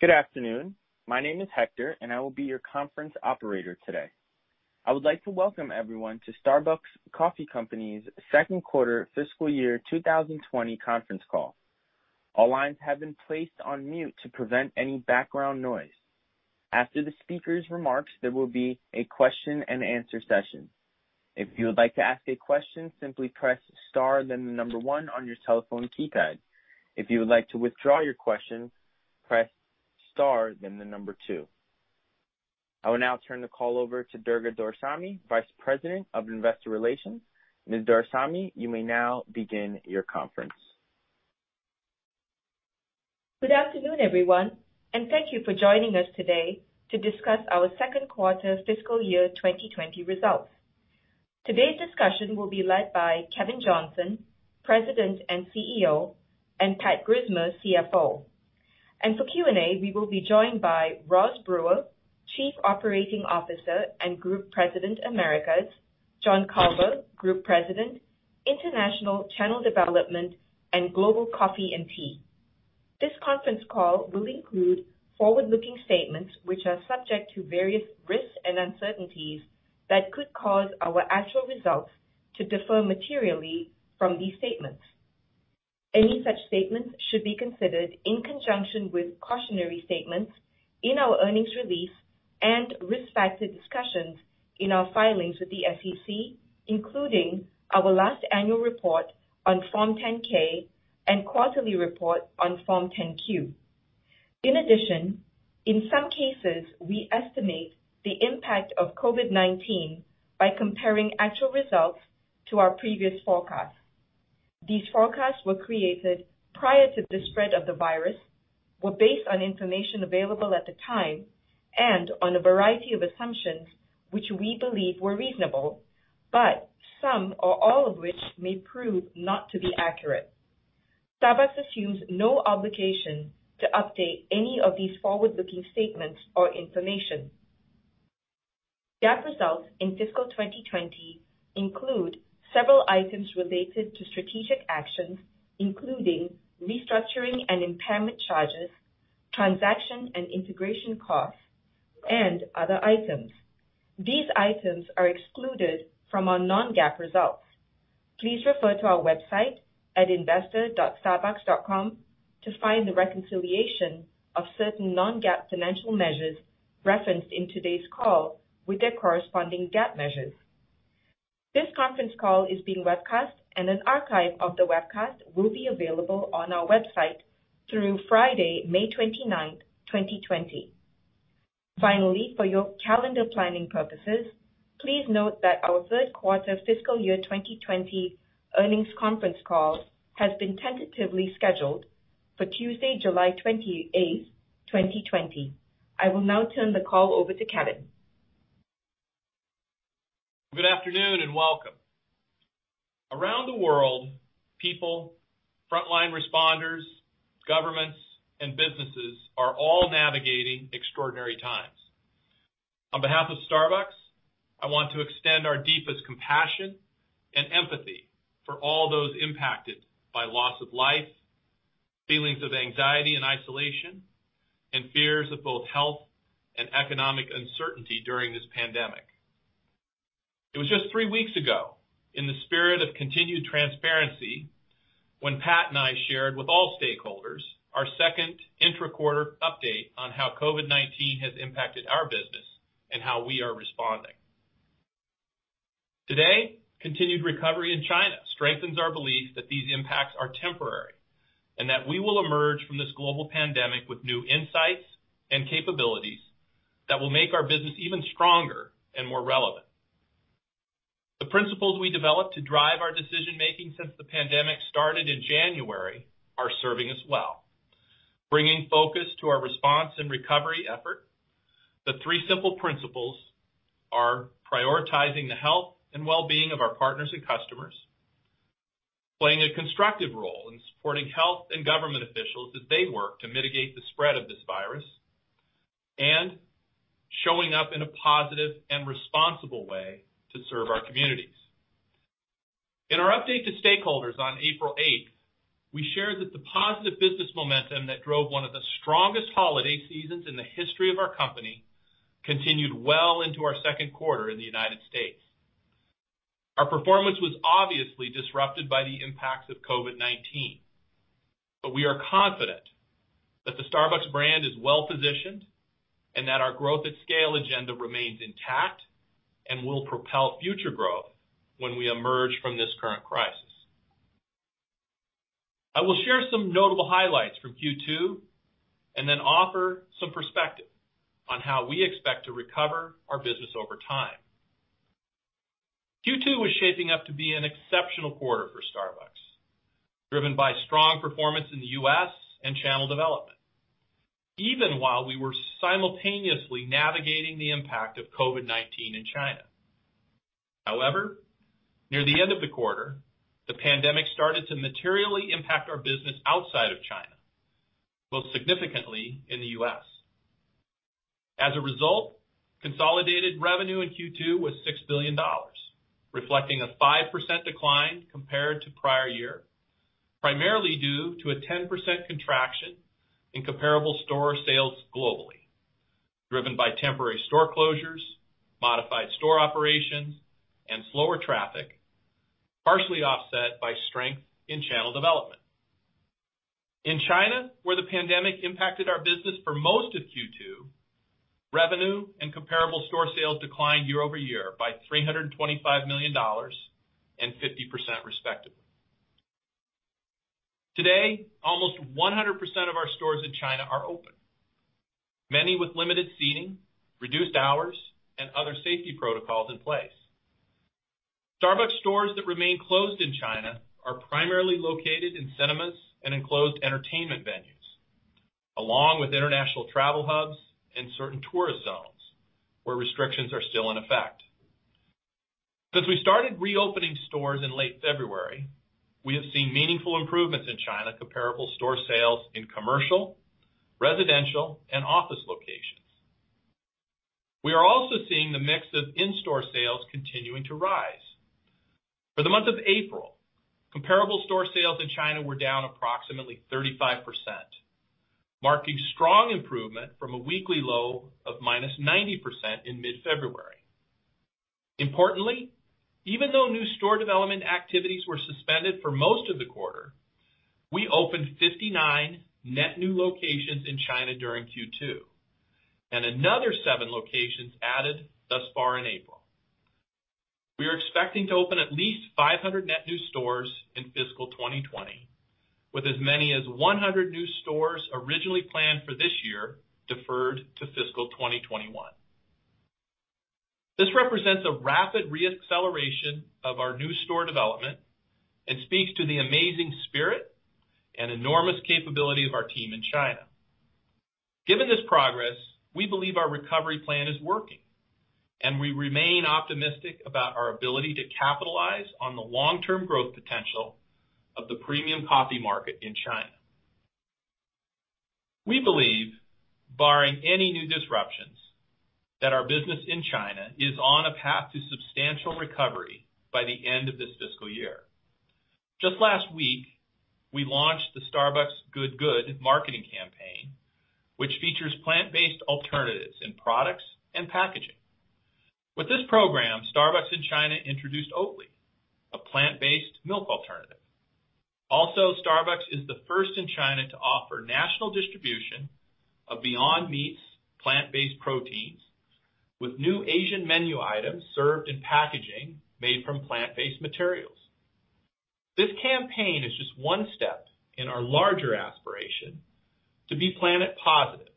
Good afternoon. My name is Hector, and I will be your conference operator today. I would like to welcome everyone to Starbucks Coffee Company's second quarter fiscal year 2020 conference call. All lines have been placed on mute to prevent any background noise. After the speakers' remarks, there will be a question and answer session. If you would like to ask a question, simply press star then the number one on your telephone keypad. If you would like to withdraw your question, press star then the number two. I will now turn the call over to Durga Doraisamy, Vice President of Investor Relations. Ms. Doraisamy, you may now begin your conference. Good afternoon, everyone, and thank you for joining us today to discuss our second quarter fiscal year 2020 results. Today's discussion will be led by Kevin Johnson, President and CEO, and Pat Grismer, CFO. For Q&A, we will be joined by Rosalind Brewer, Chief Operating Officer and Group President, Americas, John Culver, Group President, International, Channel Development and Global Coffee & Tea. This conference call will include forward-looking statements which are subject to various risks and uncertainties that could cause our actual results to differ materially from these statements. Any such statements should be considered in conjunction with cautionary statements in our earnings release and risk factor discussions in our filings with the SEC, including our last annual report on Form 10-K and quarterly report on Form 10-Q. In addition, in some cases, we estimate the impact of COVID-19 by comparing actual results to our previous forecasts. These forecasts were created prior to the spread of the virus, were based on information available at the time, and on a variety of assumptions, which we believe were reasonable, but some or all of which may prove not to be accurate. Starbucks assumes no obligation to update any of these forward-looking statements or information. GAAP results in fiscal 2020 include several items related to strategic actions, including restructuring and impairment charges, transaction and integration costs, and other items. These items are excluded from our non-GAAP results. Please refer to our website at investor.starbucks.com to find the reconciliation of certain non-GAAP financial measures referenced in today's call with their corresponding GAAP measures. This conference call is being webcast and an archive of the webcast will be available on our website through Friday, May 29th, 2020. Finally, for your calendar planning purposes, please note that our third quarter FY 2020 earnings conference call has been tentatively scheduled for Tuesday, July 28th, 2020. I will now turn the call over to Kevin. Good afternoon, and welcome. Around the world, people, frontline responders, governments, and businesses are all navigating extraordinary times. On behalf of Starbucks, I want to extend our deepest compassion and empathy for all those impacted by loss of life, feelings of anxiety and isolation, and fears of both health and economic uncertainty during this pandemic. It was just three weeks ago, in the spirit of continued transparency, when Pat and I shared with all stakeholders our second intra-quarter update on how COVID-19 has impacted our business and how we are responding. Today, continued recovery in China strengthens our belief that these impacts are temporary, and that we will emerge from this global pandemic with new insights and capabilities that will make our business even stronger and more relevant. The principles we developed to drive our decision-making since the pandemic started in January are serving us well. Bringing focus to our response and recovery effort, the three simple principles are prioritizing the health and well-being of our partners and customers, playing a constructive role in supporting health and government officials as they work to mitigate the spread of this virus, and showing up in a positive and responsible way to serve our communities. In our update to stakeholders on April 8th, we shared that the positive business momentum that drove one of the strongest holiday seasons in the history of our company continued well into our second quarter in the U.S. Our performance was obviously disrupted by the impacts of COVID-19. We are confident that the Starbucks brand is well-positioned and that our growth at scale agenda remains intact and will propel future growth when we emerge from this current crisis. I will share some notable highlights from Q2 and then offer some perspective on how we expect to recover our business over time. Q2 was shaping up to be an exceptional quarter for Starbucks, driven by strong performance in the U.S. and channel development, even while we were simultaneously navigating the impact of COVID-19 in China. Near the end of the quarter, the pandemic started to materially impact our business outside of China, most significantly in the U.S. As a result, consolidated revenue in Q2 was $6 billion, reflecting a 5% decline compared to prior year, primarily due to a 10% contraction in comparable store sales globally, driven by temporary store closures, modified store operations, and slower traffic, partially offset by strength in channel development. In China, where the pandemic impacted our business for most of Q2, revenue and comparable store sales declined year-over-year by $325 million and 50% respectively. Today, almost 100% of our stores in China are open, many with limited seating, reduced hours, and other safety protocols in place. Starbucks stores that remain closed in China are primarily located in cinemas and enclosed entertainment venues, along with international travel hubs and certain tourist zones where restrictions are still in effect. Since we started reopening stores in late February, we have seen meaningful improvements in China comparable store sales in commercial, residential, and office locations. We are also seeing the mix of in-store sales continuing to rise. For the month of April, comparable store sales in China were down approximately 35%, marking strong improvement from a weekly low of -90% in mid-February. Importantly, even though new store development activities were suspended for most of the quarter, we opened 59 net new locations in China during Q2, and another seven locations added thus far in April. We are expecting to open at least 500 net new stores in fiscal 2020, with as many as 100 new stores originally planned for this year deferred to fiscal 2021. This represents a rapid re-acceleration of our new store development and speaks to the amazing spirit and enormous capability of our team in China. Given this progress, we believe our recovery plan is working, and we remain optimistic about our ability to capitalize on the long-term growth potential of the premium coffee market in China. We believe, barring any new disruptions, that our business in China is on a path to substantial recovery by the end of this fiscal year. Just last week, we launched the Starbucks GOOD GOOD marketing campaign, which features plant-based alternatives in products and packaging. With this program, Starbucks in China introduced Oatly, a plant-based milk alternative. Starbucks is the first in China to offer national distribution of Beyond Meat's plant-based proteins with new Asian menu items served in packaging made from plant-based materials. This campaign is just one step in our larger aspiration to be planet positive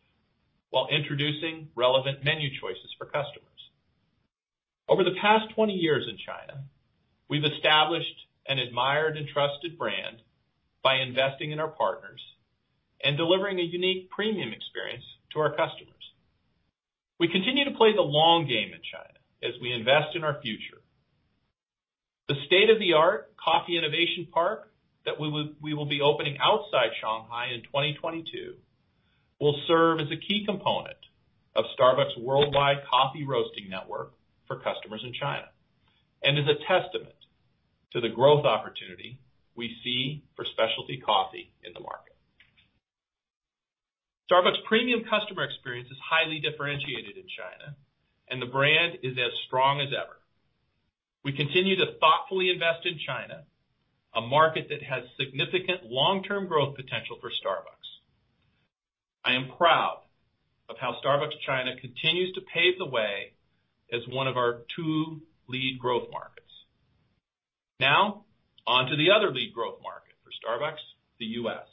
while introducing relevant menu choices for customers. Over the past 20 years in China, we've established an admired and trusted brand by investing in our partners and delivering a unique premium experience to our customers. We continue to play the long game in China as we invest in our future. The state-of-the-art coffee innovation park that we will be opening outside Shanghai in 2022 will serve as a key component of Starbucks' worldwide coffee roasting network for customers in China and is a testament to the growth opportunity we see for specialty coffee in the market. Starbucks premium customer experience is highly differentiated in China and the brand is as strong as ever. We continue to thoughtfully invest in China, a market that has significant long-term growth potential for Starbucks. I am proud of how Starbucks China continues to pave the way as one of our two lead growth markets. On to the other lead growth market for Starbucks, the U.S.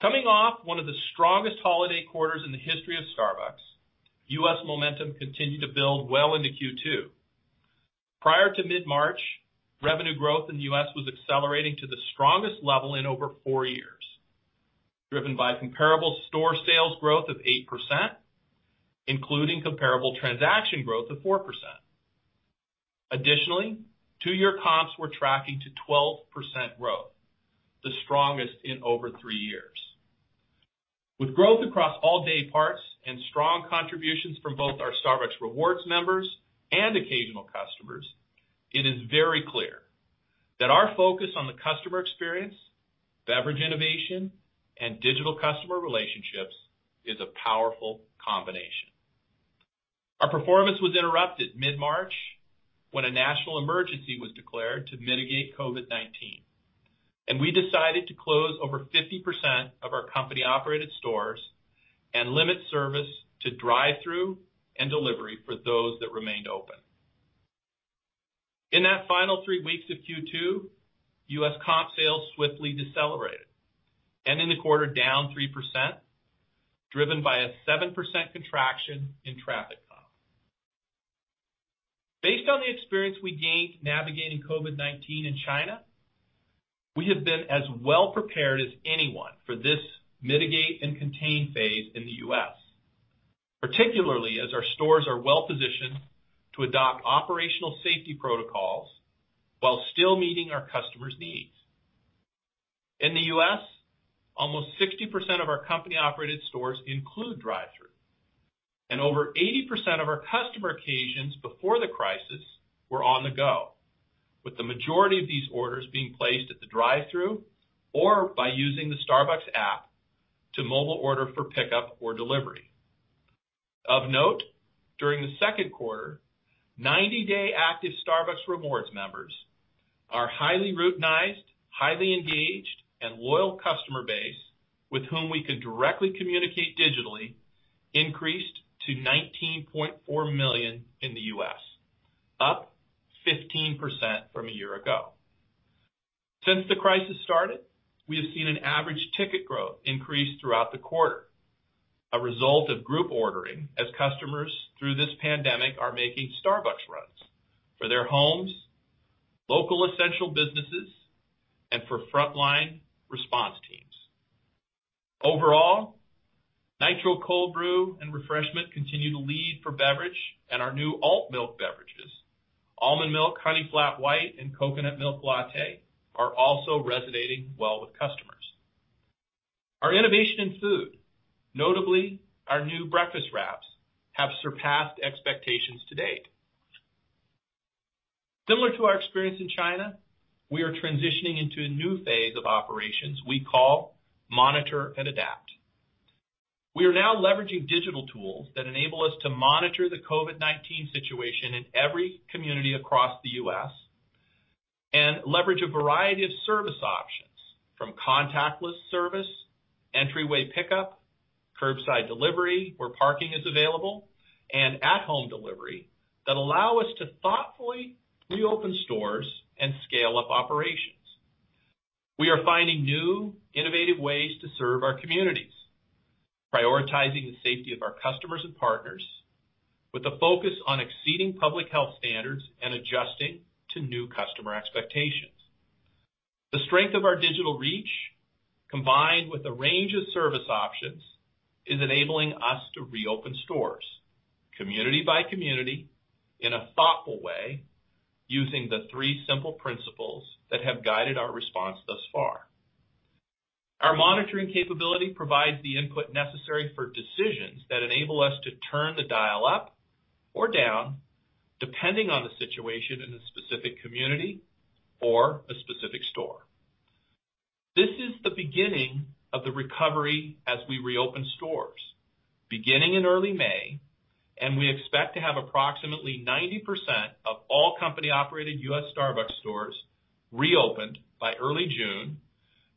Coming off one of the strongest holiday quarters in the history of Starbucks, U.S. momentum continued to build well into Q2. Prior to mid-March, revenue growth in the U.S. was accelerating to the strongest level in over four years, driven by comparable store sales growth of 8%, including comparable transaction growth of 4%. Additionally, two-year comps were tracking to 12% growth, the strongest in over three years. With growth across all day parts and strong contributions from both our Starbucks Rewards members and occasional customers, it is very clear that our focus on the customer experience, beverage innovation, and digital customer relationships is a powerful combination. Our performance was interrupted mid-March when a national emergency was declared to mitigate COVID-19. We decided to close over 50% of our company-operated stores and limit service to drive-through and delivery for those that remained open. In that final three weeks of Q2, U.S. comp sales swiftly decelerated, ending the quarter down 3%, driven by a 7% contraction in traffic comp. Based on the experience we gained navigating COVID-19 in China, we have been as well prepared as anyone for this mitigate and contain phase in the U.S. Particularly, as our stores are well-positioned to adopt operational safety protocols while still meeting our customers' needs. In the U.S., almost 60% of our company-operated stores include drive-thru, and over 80% of our customer occasions before the crisis were on the go, with the majority of these orders being placed at the drive-thru or by using the Starbucks app to mobile order for pickup or delivery. Of note, during the second quarter, 90-day active Starbucks Rewards members are highly routinized, highly engaged, and loyal customer base with whom we can directly communicate digitally increased to 19.4 million in the U.S., up 15% from a year ago. Since the crisis started, we have seen an average ticket growth increase throughout the quarter, a result of group ordering as customers through this pandemic are making Starbucks runs for their homes, local essential businesses, and for frontline response teams. Overall, Nitro Cold Brew and refreshment continue to lead for beverage, and our new alt milk beverages, Almondmilk Honey Flat White, and Coconutmilk Latte, are also resonating well with customers. Our innovation in food, notably our new breakfast wraps, have surpassed expectations to date. Similar to our experience in China, we are transitioning into a new phase of operations we call Monitor and Adapt. We are now leveraging digital tools that enable us to monitor the COVID-19 situation in every community across the U.S., and leverage a variety of service options from contactless service, entryway pickup, curbside delivery where parking is available, and at-home delivery that allow us to thoughtfully reopen stores and scale up operations. We are finding new, innovative ways to serve our communities, prioritizing the safety of our customers and partners with a focus on exceeding public health standards and adjusting to new customer expectations. The strength of our digital reach, combined with a range of service options, is enabling us to reopen stores, community by community, in a thoughtful way, using the three simple principles that have guided our response thus far. Our monitoring capability provides the input necessary for decisions that enable us to turn the dial up or down, depending on the situation in a specific community or a specific store. This is the beginning of the recovery as we reopen stores. Beginning in early May, we expect to have approximately 90% of all company-operated U.S. Starbucks stores reopened by early June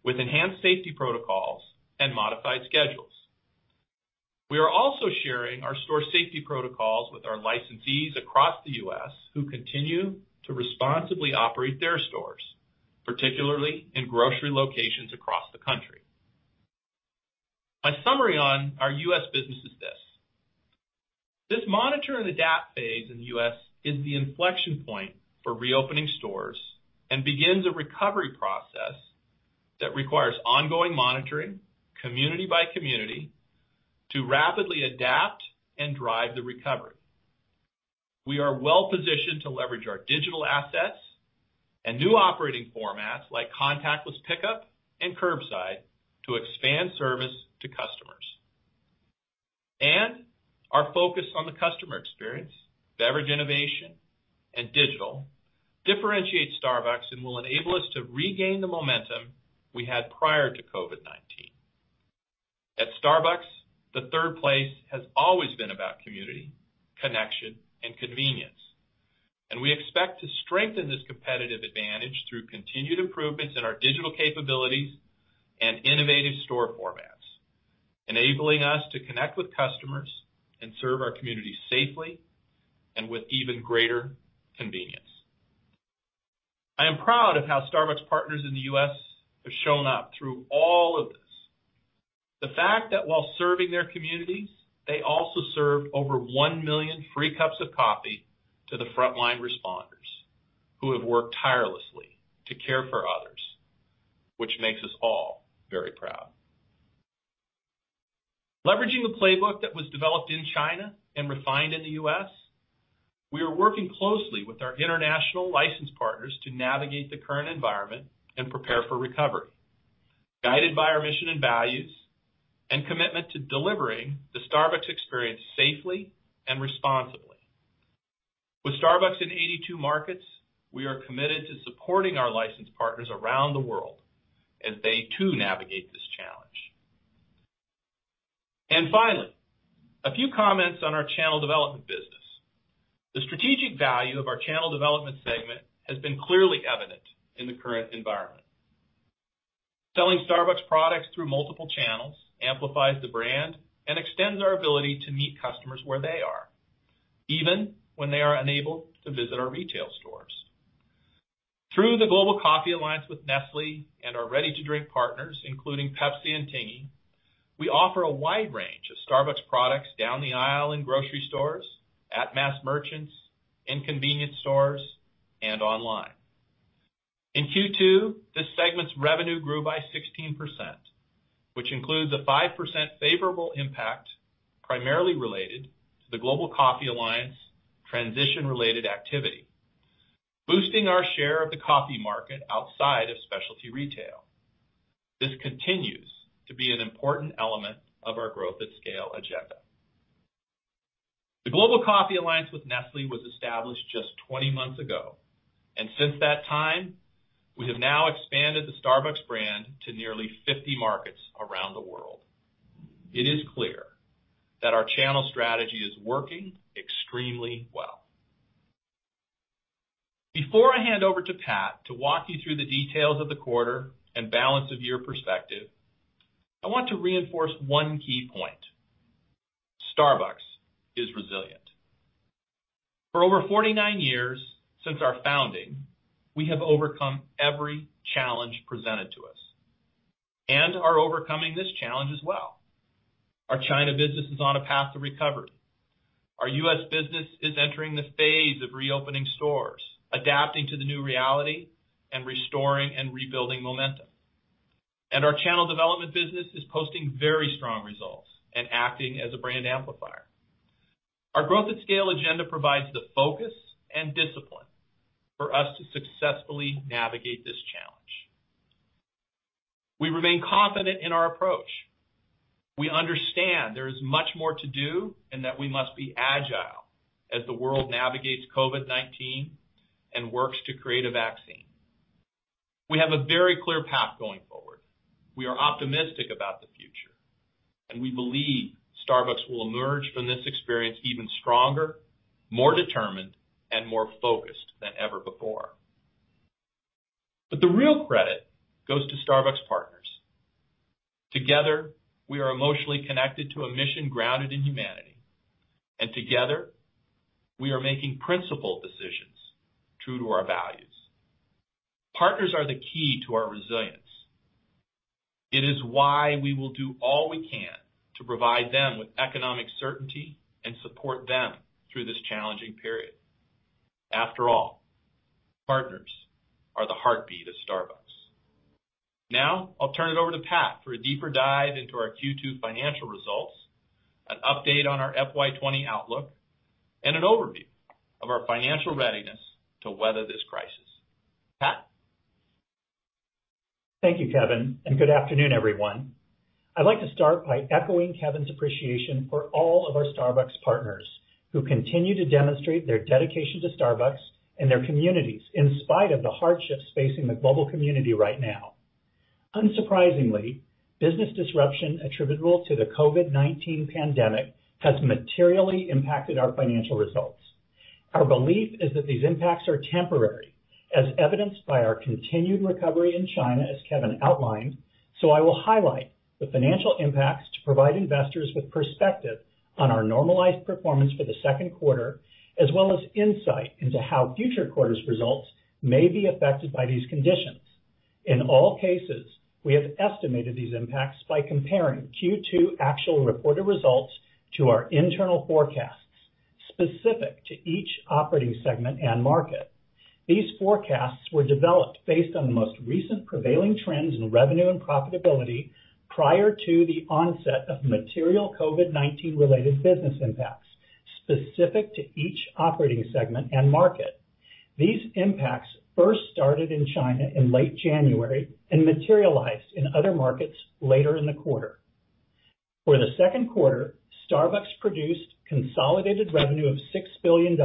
with enhanced safety protocols and modified schedules. We are also sharing our store safety protocols with our licensees across the U.S. who continue to responsibly operate their stores, particularly in grocery locations across the country. My summary on our U.S. business is this. This monitor and adapt phase in the U.S. is the inflection point for reopening stores and begins a recovery process that requires ongoing monitoring, community by community, to rapidly adapt and drive the recovery. We are well-positioned to leverage our digital assets and new operating formats like contactless pickup and curbside to expand service to customers. Our focus on the customer experience, beverage innovation, and digital differentiates Starbucks and will enable us to regain the momentum we had prior to COVID-19. At Starbucks, the third place has always been about community, connection, and convenience. We expect to strengthen this competitive advantage through continued improvements in our digital capabilities and innovative store formats, enabling us to connect with customers and serve our community safely and with even greater convenience. I am proud of how Starbucks partners in the U.S. have shown up through all of this. The fact that while serving their communities, they also served over 1 million free cups of coffee to the frontline responders who have worked tirelessly to care for others, which makes us all very proud. Leveraging the playbook that was developed in China and refined in the U.S., we are working closely with our international license partners to navigate the current environment and prepare for recovery, guided by our mission and values and commitment to delivering the Starbucks experience safely and responsibly. With Starbucks in 82 markets, we are committed to supporting our license partners around the world as they too navigate this challenge. Finally, a few comments on our Channel Development business. The strategic value of our Channel Development segment has been clearly evident in the current environment. Selling Starbucks products through multiple channels amplifies the brand and extends our ability to meet customers where they are, even when they are unable to visit our retail stores. Through the Global Coffee Alliance with Nestlé and our ready-to-drink partners, including Pepsi and Tingyi, we offer a wide range of Starbucks products down the aisle in grocery stores, at mass merchants, in convenience stores, and online. In Q2, this segment's revenue grew by 16%, which includes a 5% favorable impact, primarily related to the Global Coffee Alliance transition-related activity, boosting our share of the coffee market outside of specialty retail. This continues to be an important element of our growth at scale agenda. The Global Coffee Alliance with Nestlé was established just 20 months ago, and since that time, we have now expanded the Starbucks brand to nearly 50 markets around the world. It is clear that our channel strategy is working extremely well. Before I hand over to Pat to walk you through the details of the quarter and balance of year perspective, I want to reinforce one key point. Starbucks is resilient. For over 49 years since our founding, we have overcome every challenge presented to us and are overcoming this challenge as well. Our China business is on a path to recovery. Our U.S. business is entering the phase of reopening stores, adapting to the new reality, and restoring and rebuilding momentum. Our channel development business is posting very strong results and acting as a brand amplifier. Our growth at scale agenda provides the focus and discipline for us to successfully navigate this challenge. We remain confident in our approach. We understand there is much more to do and that we must be agile as the world navigates COVID-19 and works to create a vaccine. We have a very clear path going forward. We are optimistic about the future, and we believe Starbucks will emerge from this experience even stronger, more determined, and more focused than ever before. The real credit goes to Starbucks partners. Together, we are emotionally connected to a mission grounded in humanity, and together, we are making principled decisions true to our values. Partners are the key to our resilience. It is why we will do all we can to provide them with economic certainty and support them through this challenging period. After all, partners are the heartbeat of Starbucks. Now, I'll turn it over to Pat for a deeper dive into our Q2 financial results, an update on our FY 2020 outlook, and an overview of our financial readiness to weather this crisis. Pat? Thank you, Kevin. Good afternoon, everyone. I'd like to start by echoing Kevin's appreciation for all of our Starbucks partners who continue to demonstrate their dedication to Starbucks and their communities in spite of the hardships facing the global community right now. Unsurprisingly, business disruption attributable to the COVID-19 pandemic has materially impacted our financial results. Our belief is that these impacts are temporary, as evidenced by our continued recovery in China as Kevin outlined. I will highlight the financial impacts to provide investors with perspective on our normalized performance for the second quarter, as well as insight into how future quarters' results may be affected by these conditions. In all cases, we have estimated these impacts by comparing Q2 actual reported results to our internal forecasts specific to each operating segment and market. These forecasts were developed based on the most recent prevailing trends in revenue and profitability prior to the onset of material COVID-19 related business impacts, specific to each operating segment and market. These impacts first started in China in late January and materialized in other markets later in the quarter. For the second quarter, Starbucks produced consolidated revenue of $6 billion,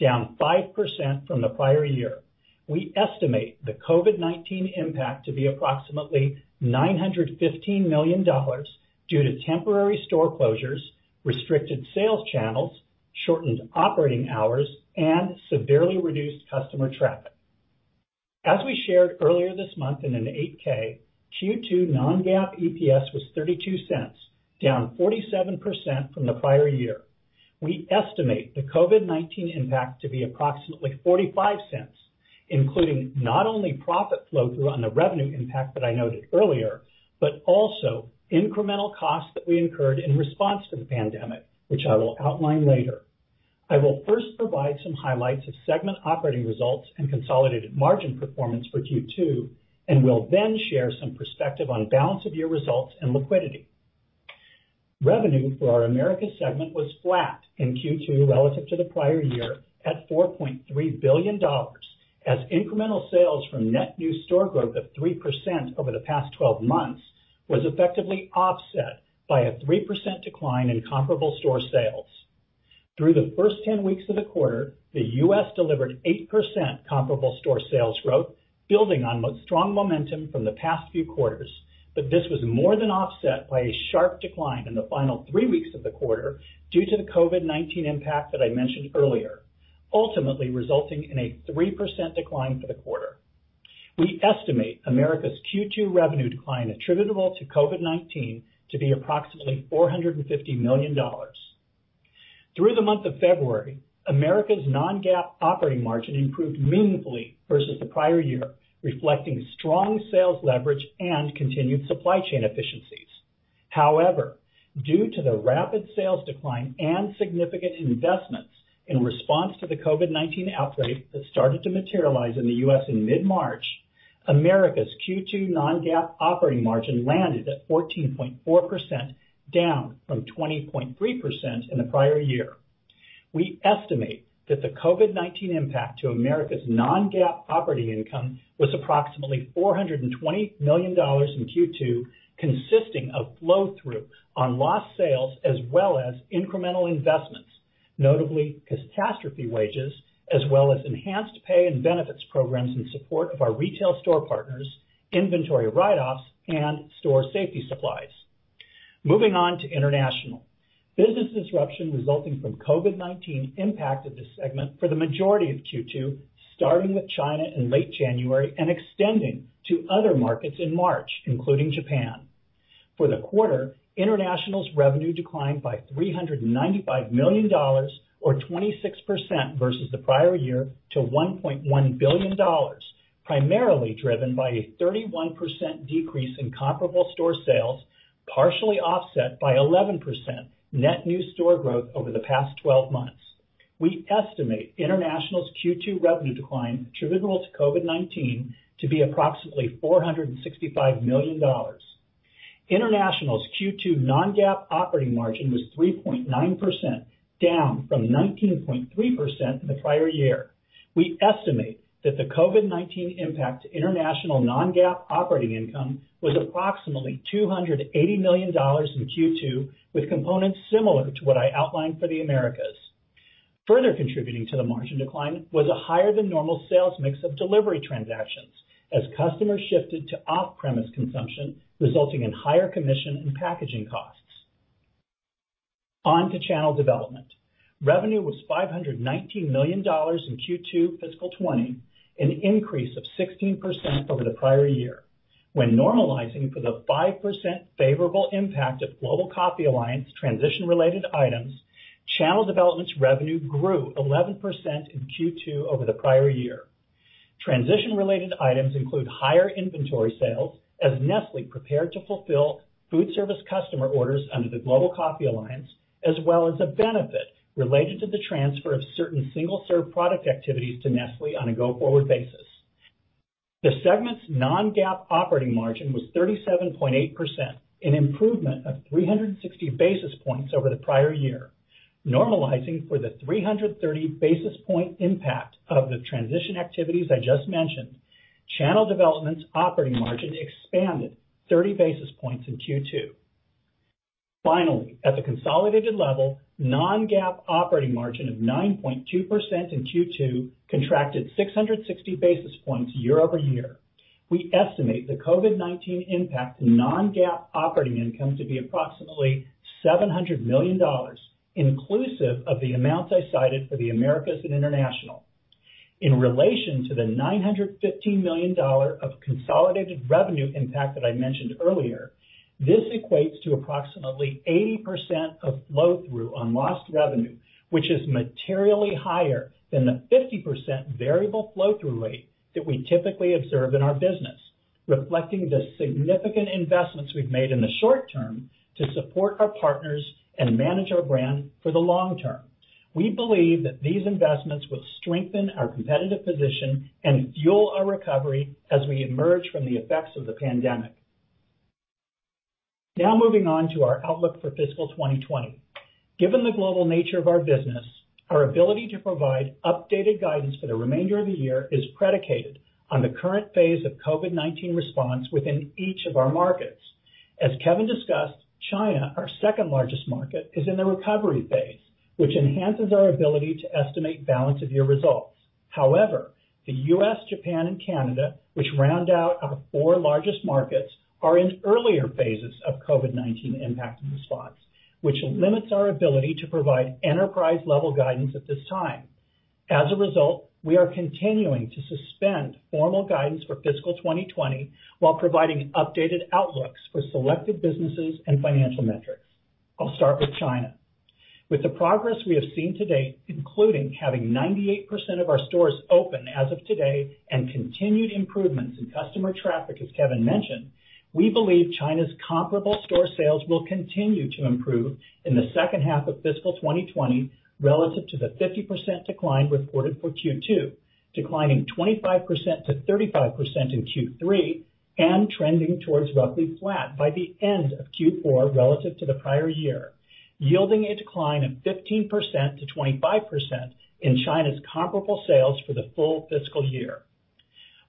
down 5% from the prior year. We estimate the COVID-19 impact to be approximately $915 million due to temporary store closures, restricted sales channels, shortened operating hours, and severely reduced customer traffic. As we shared earlier this month in an 8-K, Q2 non-GAAP EPS was $0.32, down 47% from the prior year. We estimate the COVID-19 impact to be approximately $0.45, including not only profit flow-through on the revenue impact that I noted earlier, but also incremental costs that we incurred in response to the pandemic, which I will outline later. I will first provide some highlights of segment operating results and consolidated margin performance for Q2, and will then share some perspective on balance of year results and liquidity. Revenue for our Americas segment was flat in Q2 relative to the prior year at $4.3 billion, as incremental sales from net new store growth of 3% over the past 12 months was effectively offset by a 3% decline in comparable store sales. Through the first 10 weeks of the quarter, the U.S. delivered 8% comparable store sales growth, building on strong momentum from the past few quarters. This was more than offset by a sharp decline in the final three weeks of the quarter due to the COVID-19 impact that I mentioned earlier, ultimately resulting in a 3% decline for the quarter. We estimate Americas' Q2 revenue decline attributable to COVID-19 to be approximately $450 million. Through the month of February, Americas' non-GAAP operating margin improved meaningfully versus the prior year, reflecting strong sales leverage and continued supply chain efficiency. Due to the rapid sales decline and significant investments in response to the COVID-19 outbreak that started to materialize in the U.S. in mid-March, Americas' Q2 non-GAAP operating margin landed at 14.4%, down from 20.3% in the prior year. We estimate that the COVID-19 impact to Americas's non-GAAP operating income was approximately $420 million in Q2, consisting of flow-through on lost sales as well as incremental investments, notably catastrophe pay, as well as enhanced pay and benefits programs in support of our retail store partners, inventory write-offs, and store safety supplies. Moving on to International. Business disruption resulting from COVID-19 impacted this segment for the majority of Q2, starting with China in late January and extending to other markets in March, including Japan. For the quarter, International's revenue declined by $395 million, or 26% versus the prior year, to $1.1 billion, primarily driven by a 31% decrease in comparable store sales, partially offset by 11% net new store growth over the past 12 months. We estimate International's Q2 revenue decline attributable to COVID-19 to be approximately $465 million. International's Q2 non-GAAP operating margin was 3.9%, down from 19.3% in the prior year. We estimate that the COVID-19 impact to International non-GAAP operating income was approximately $280 million in Q2, with components similar to what I outlined for the Americas. Further contributing to the margin decline was a higher than normal sales mix of delivery transactions as customers shifted to off-premise consumption, resulting in higher commission and packaging costs. On to Channel Development. Revenue was $519 million in Q2 fiscal 2020, an increase of 16% over the prior year. When normalizing for the 5% favorable impact of Global Coffee Alliance transition-related items, Channel Development's revenue grew 11% in Q2 over the prior year. Transition-related items include higher inventory sales as Nestlé prepared to fulfill food service customer orders under the Global Coffee Alliance, as well as a benefit related to the transfer of certain single-serve product activities to Nestlé on a go-forward basis. The segment's non-GAAP operating margin was 37.8%, an improvement of 360 basis points over the prior year. Normalizing for the 330 basis point impact of the transition activities I just mentioned, Channel Development's operating margin expanded 30 basis points in Q2. Finally, at the consolidated level, non-GAAP operating margin of 9.2% in Q2 contracted 660 basis points year-over-year. We estimate the COVID-19 impact to non-GAAP operating income to be approximately $700 million, inclusive of the amounts I cited for the Americas and International. In relation to the $915 million of consolidated revenue impact that I mentioned earlier, this equates to approximately 80% of flow-through on lost revenue, which is materially higher than the 50% variable flow-through rate that we typically observe in our business, reflecting the significant investments we've made in the short term to support our partners and manage our brand for the long term. We believe that these investments will strengthen our competitive position and fuel our recovery as we emerge from the effects of the pandemic. Now moving on to our outlook for fiscal 2020. Given the global nature of our business, our ability to provide updated guidance for the remainder of the year is predicated on the current phase of COVID-19 response within each of our markets. As Kevin discussed, China, our second largest market, is in the recovery phase, which enhances our ability to estimate balance of year results. However, the U.S., Japan, and Canada, which round out our four largest markets, are in earlier phases of COVID-19 impact and response, which limits our ability to provide enterprise level guidance at this time. As a result, we are continuing to suspend formal guidance for fiscal 2020 while providing updated outlooks for selected businesses and financial metrics. I'll start with China. With the progress we have seen to date, including having 98% of our stores open as of today and continued improvements in customer traffic, as Kevin mentioned, we believe China's comparable store sales will continue to improve in the second half of fiscal 2020 relative to the 50% decline reported for Q2, declining 25%-35% in Q3, and trending towards roughly flat by the end of Q4 relative to the prior year, yielding a decline of 15%-25% in China's comparable sales for the full fiscal year.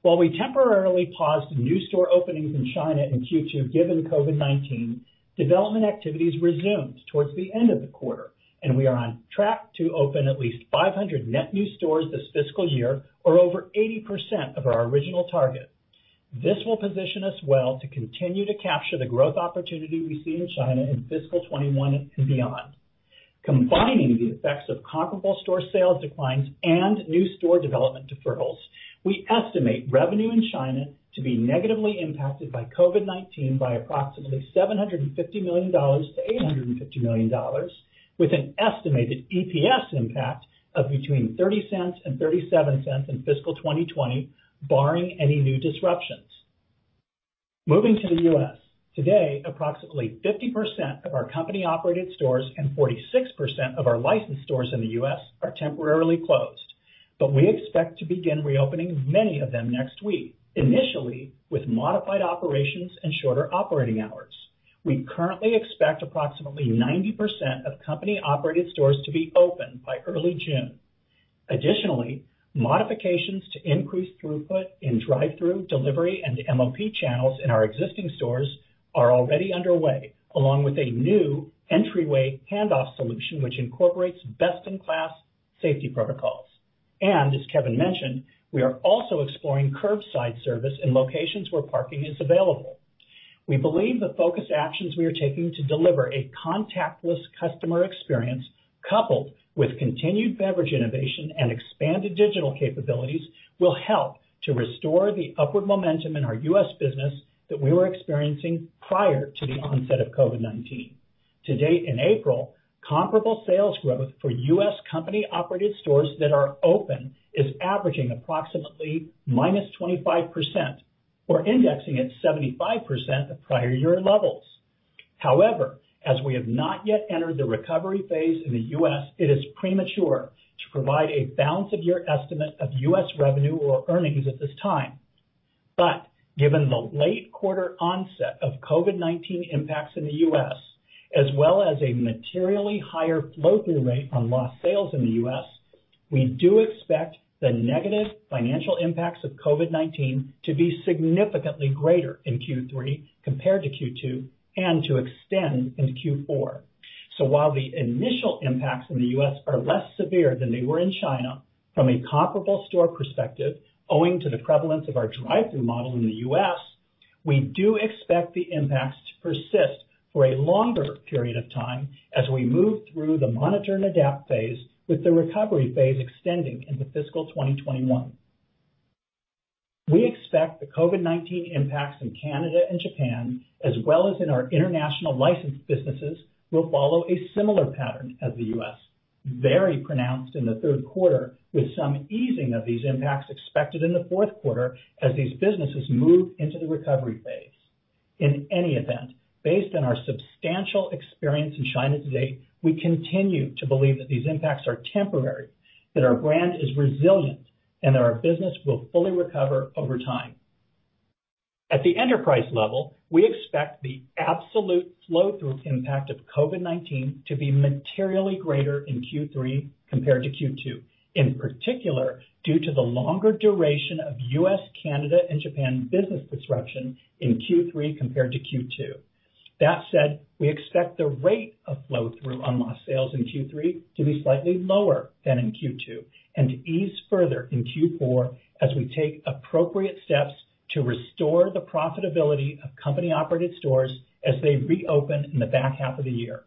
While we temporarily paused new store openings in China in Q2 given COVID-19, development activities resumed towards the end of the quarter, we are on track to open at least 500 net new stores this fiscal year or over 80% of our original target. This will position us well to continue to capture the growth opportunity we see in China in fiscal 2021 and beyond. Combining the effects of comparable store sales declines and new store development deferrals, we estimate revenue in China to be negatively impacted by COVID-19 by approximately $750 million-$850 million. With an estimated EPS impact of between $0.30-$0.37 in fiscal 2020, barring any new disruptions. Moving to the U.S. Today, approximately 50% of our company-operated stores and 46% of our licensed stores in the U.S. are temporarily closed. We expect to begin reopening many of them next week, initially with modified operations and shorter operating hours. We currently expect approximately 90% of company-operated stores to be open by early June. Additionally, modifications to increase throughput in drive-thru, delivery, and MOP channels in our existing stores are already underway, along with a new entryway handoff solution, which incorporates best-in-class safety protocols. As Kevin mentioned, we are also exploring curbside service in locations where parking is available. We believe the focused actions we are taking to deliver a contactless customer experience coupled with continued beverage innovation and expanded digital capabilities will help to restore the upward momentum in our U.S. business that we were experiencing prior to the onset of COVID-19. To date in April, comparable sales growth for U.S. company-operated stores that are open is averaging approximately -25%, or indexing at 75% of prior year levels. However, as we have not yet entered the recovery phase in the U.S., it is premature to provide a balance of year estimate of U.S. revenue or earnings at this time. Given the late quarter onset of COVID-19 impacts in the U.S., as well as a materially higher flow-through rate on lost sales in the U.S., we do expect the negative financial impacts of COVID-19 to be significantly greater in Q3 compared to Q2 and to extend into Q4. While the initial impacts in the U.S. are less severe than they were in China from a comparable store perspective owing to the prevalence of our drive-thru model in the U.S., we do expect the impacts to persist for a longer period of time as we move through the monitor and adapt phase with the recovery phase extending into fiscal 2021. We expect the COVID-19 impacts in Canada and Japan, as well as in our international licensed businesses, will follow a similar pattern as the U.S. Very pronounced in the third quarter with some easing of these impacts expected in the fourth quarter as these businesses move into the recovery phase. In any event, based on our substantial experience in China to date, we continue to believe that these impacts are temporary, that our brand is resilient, and that our business will fully recover over time. At the enterprise level, we expect the absolute flow-through impact of COVID-19 to be materially greater in Q3 compared to Q2. In particular, due to the longer duration of U.S., Canada, and Japan business disruption in Q3 compared to Q2. That said, we expect the rate of flow-through on lost sales in Q3 to be slightly lower than in Q2 and to ease further in Q4 as we take appropriate steps to restore the profitability of company-operated stores as they reopen in the back half of the year.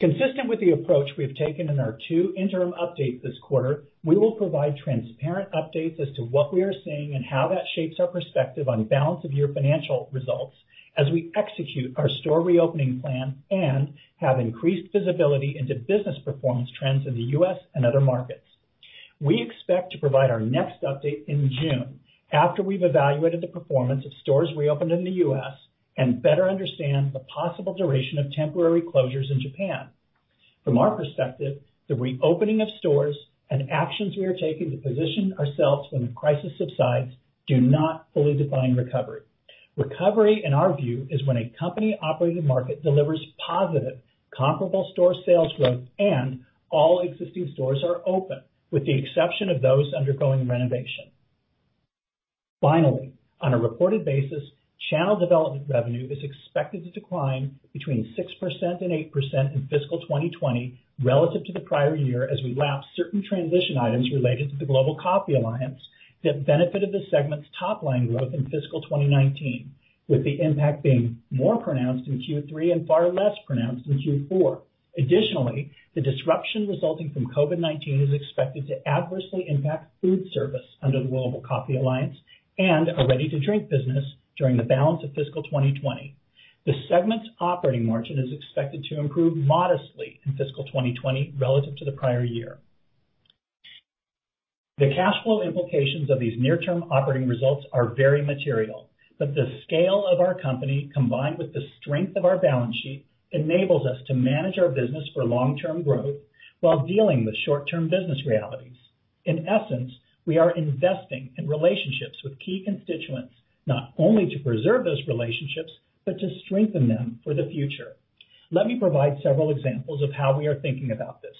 Consistent with the approach we have taken in our two interim updates this quarter, we will provide transparent updates as to what we are seeing and how that shapes our perspective on balance of year financial results as we execute our store reopening plan and have increased visibility into business performance trends in the U.S. and other markets. We expect to provide our next update in June, after we've evaluated the performance of stores reopened in the U.S. and better understand the possible duration of temporary closures in Japan. From our perspective, the reopening of stores and actions we are taking to position ourselves when the crisis subsides do not fully define recovery. Recovery, in our view, is when a company-operated market delivers positive comparable store sales growth and all existing stores are open, with the exception of those undergoing renovation. Finally, on a reported basis, channel development revenue is expected to decline between 6% and 8% in fiscal 2020 relative to the prior year as we lap certain transition items related to the Global Coffee Alliance that benefited the segment's top-line growth in fiscal 2019, with the impact being more pronounced in Q3 and far less pronounced in Q4. Additionally, the disruption resulting from COVID-19 is expected to adversely impact food service under the Global Coffee Alliance and our ready-to-drink business during the balance of fiscal 2020. The segment's operating margin is expected to improve modestly in fiscal 2020 relative to the prior year. The cash flow implications of these near-term operating results are very material. The scale of our company, combined with the strength of our balance sheet, enables us to manage our business for long-term growth while dealing with short-term business realities. In essence, we are investing in relationships with key constituents, not only to preserve those relationships, but to strengthen them for the future. Let me provide several examples of how we are thinking about this.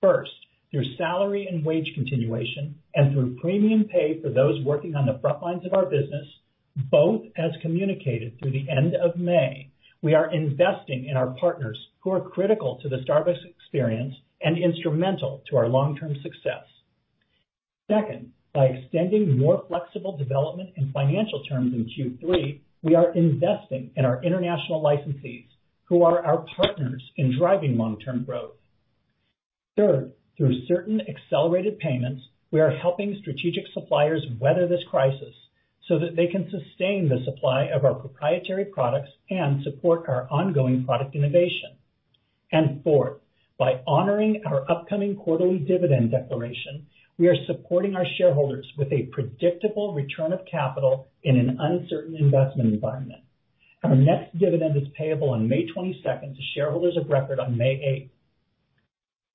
First, through salary and wage continuation and through premium pay for those working on the front lines of our business, both as communicated through the end of May. We are investing in our partners who are critical to the Starbucks Experience and instrumental to our long-term success. Second, by extending more flexible development and financial terms in Q3, we are investing in our international licensees who are our partners in driving long-term growth. Third, through certain accelerated payments, we are helping strategic suppliers weather this crisis so that they can sustain the supply of our proprietary products and support our ongoing product innovation. Fourth, by honoring our upcoming quarterly dividend declaration, we are supporting our shareholders with a predictable return of capital in an uncertain investment environment. Our next dividend is payable on May 22nd, to shareholders of record on May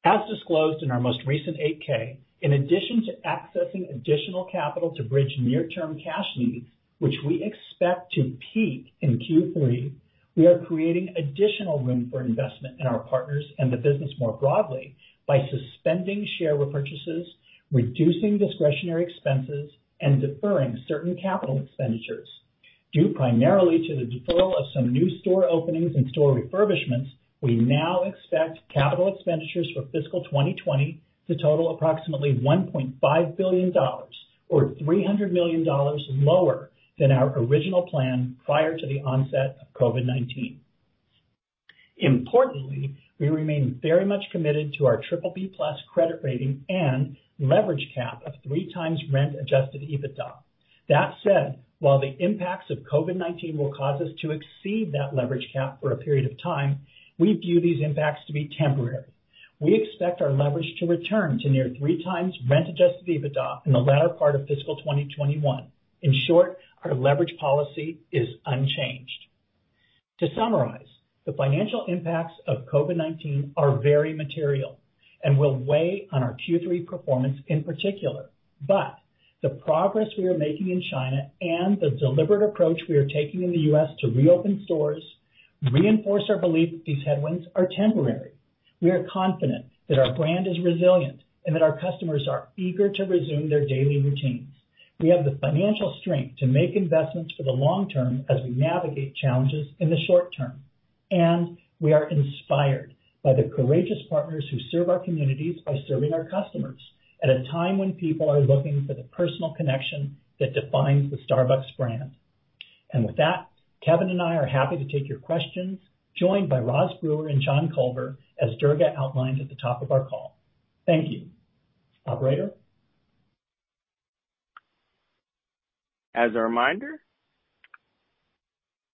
8th. As disclosed in our most recent 8-K, in addition to accessing additional capital to bridge near-term cash needs, which we expect to peak in Q3, we are creating additional room for investment in our partners and the business more broadly by suspending share repurchases, reducing discretionary expenses, and deferring certain capital expenditures. Due primarily to the deferral of some new store openings and store refurbishments, we now expect capital expenditures for fiscal 2020 to total approximately $1.5 billion, or $300 million lower than our original plan prior to the onset of COVID-19. Importantly, we remain very much committed to our BBB+ credit rating and leverage cap of 3x rent-adjusted EBITDA. That said, while the impacts of COVID-19 will cause us to exceed that leverage cap for a period of time, we view these impacts to be temporary. We expect our leverage to return to near three times rent-adjusted EBITDA in the latter part of fiscal 2021. In short, our leverage policy is unchanged. To summarize, the financial impacts of COVID-19 are very material and will weigh on our Q3 performance in particular. The progress we are making in China and the deliberate approach we are taking in the U.S. to reopen stores reinforce our belief that these headwinds are temporary. We are confident that our brand is resilient and that our customers are eager to resume their daily routines. We have the financial strength to make investments for the long term as we navigate challenges in the short term. We are inspired by the courageous partners who serve our communities by serving our customers at a time when people are looking for the personal connection that defines the Starbucks brand. With that, Kevin and I are happy to take your questions, joined by Roz Brewer and John Culver, as Durga outlined at the top of our call. Thank you. Operator? As a reminder,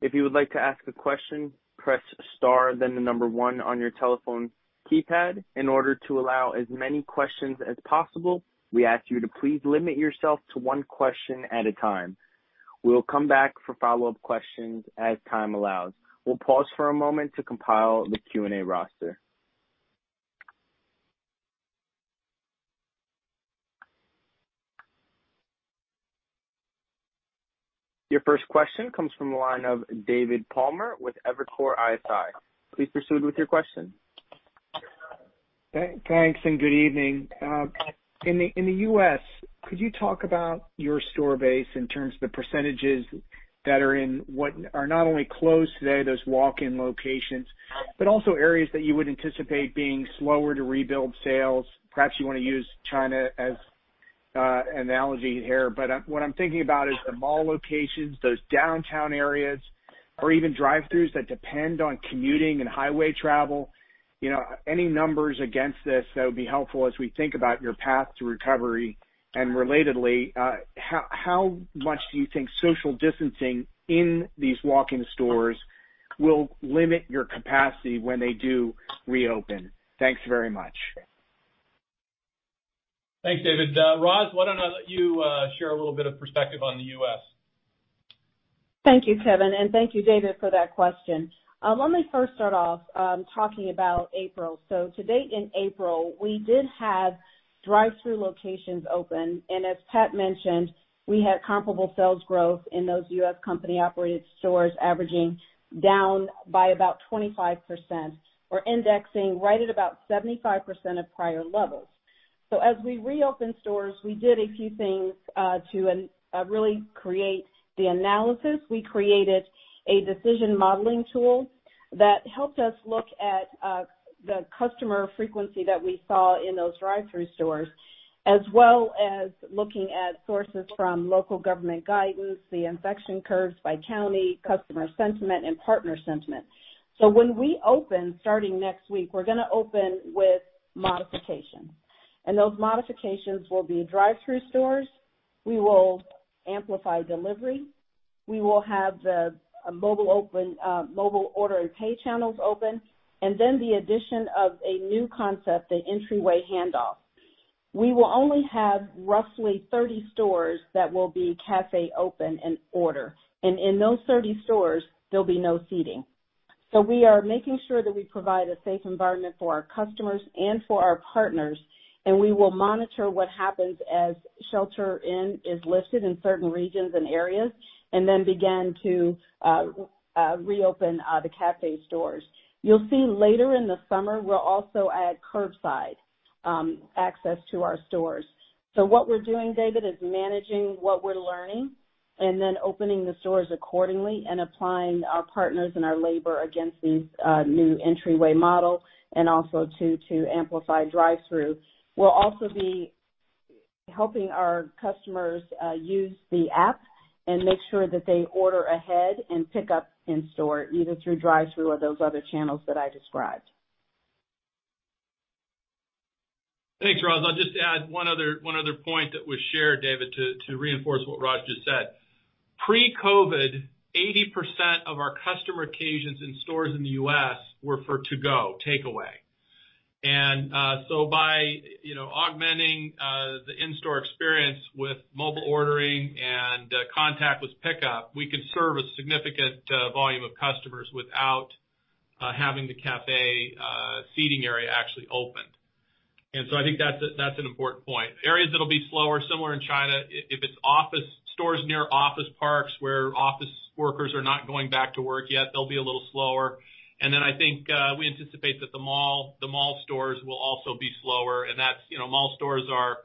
if you would like to ask a question, press star, then the number one on your telephone keypad. In order to allow as many questions as possible, we ask you to please limit yourself to one question at a time. We'll come back for follow-up questions as time allows. We'll pause for a moment to compile the Q&A roster. Your first question comes from the line of David Palmer with Evercore ISI. Please proceed with your question. Thanks, and good evening. In the U.S., could you talk about your store base in terms of the percentages that are in what are not only closed today, those walk-in locations, but also areas that you would anticipate being slower to rebuild sales. Perhaps you want to use China as analogy here, but what I'm thinking about is the mall locations, those downtown areas, or even drive-throughs that depend on commuting and highway travel. Any numbers against this that would be helpful as we think about your path to recovery. Relatedly, how much do you think social distancing in these walk-in stores will limit your capacity when they do reopen? Thanks very much. Thanks, David. Roz, why don't I let you share a little bit of perspective on the U.S.? Thank you, Kevin, and thank you, David, for that question. Let me first start off talking about April. To date in April, we did have drive-thru locations open. As Pat mentioned, we had comparable sales growth in those U.S. company-operated stores averaging down by about 25%, or indexing right at about 75% of prior levels. As we reopened stores, we did a few things to really create the analysis. We created a decision modeling tool that helped us look at the customer frequency that we saw in those drive-thru stores, as well as looking at sources from local government guidance, the infection curves by county, customer sentiment, and partner sentiment. When we open starting next week, we're going to open with modifications. Those modifications will be drive-thru stores. We will amplify delivery. We will have the Mobile Order & Pay channels open, and then the addition of a new concept, the entryway handoff. We will only have roughly 30 stores that will be café open and order. In those 30 stores, there'll be no seating. We are making sure that we provide a safe environment for our customers and for our partners, and we will monitor what happens as shelter-in-place is lifted in certain regions and areas, and then begin to reopen the café stores. You'll see later in the summer, we'll also add curbside access to our stores. What we're doing, David, is managing what we're learning and then opening the stores accordingly and applying our partners and our labor against these new entryway model and also to amplify drive-thru. We'll also be helping our customers use the app and make sure that they order ahead and pick up in store, either through drive-thru or those other channels that I described. Thanks, Roz. I'll just add one other point that was shared, David, to reinforce what Roz just said. Pre-COVID-19, 80% of our customer occasions in stores in the U.S. were for to-go, takeaway. By augmenting the in-store experience with mobile ordering and contactless pickup, we can serve a significant volume of customers without having the café seating area actually opened. I think that's an important point. Areas that'll be slower, similar in China, if it's stores near office parks where office workers are not going back to work yet, they'll be a little slower. I think we anticipate that the mall stores will also be slower, and mall stores are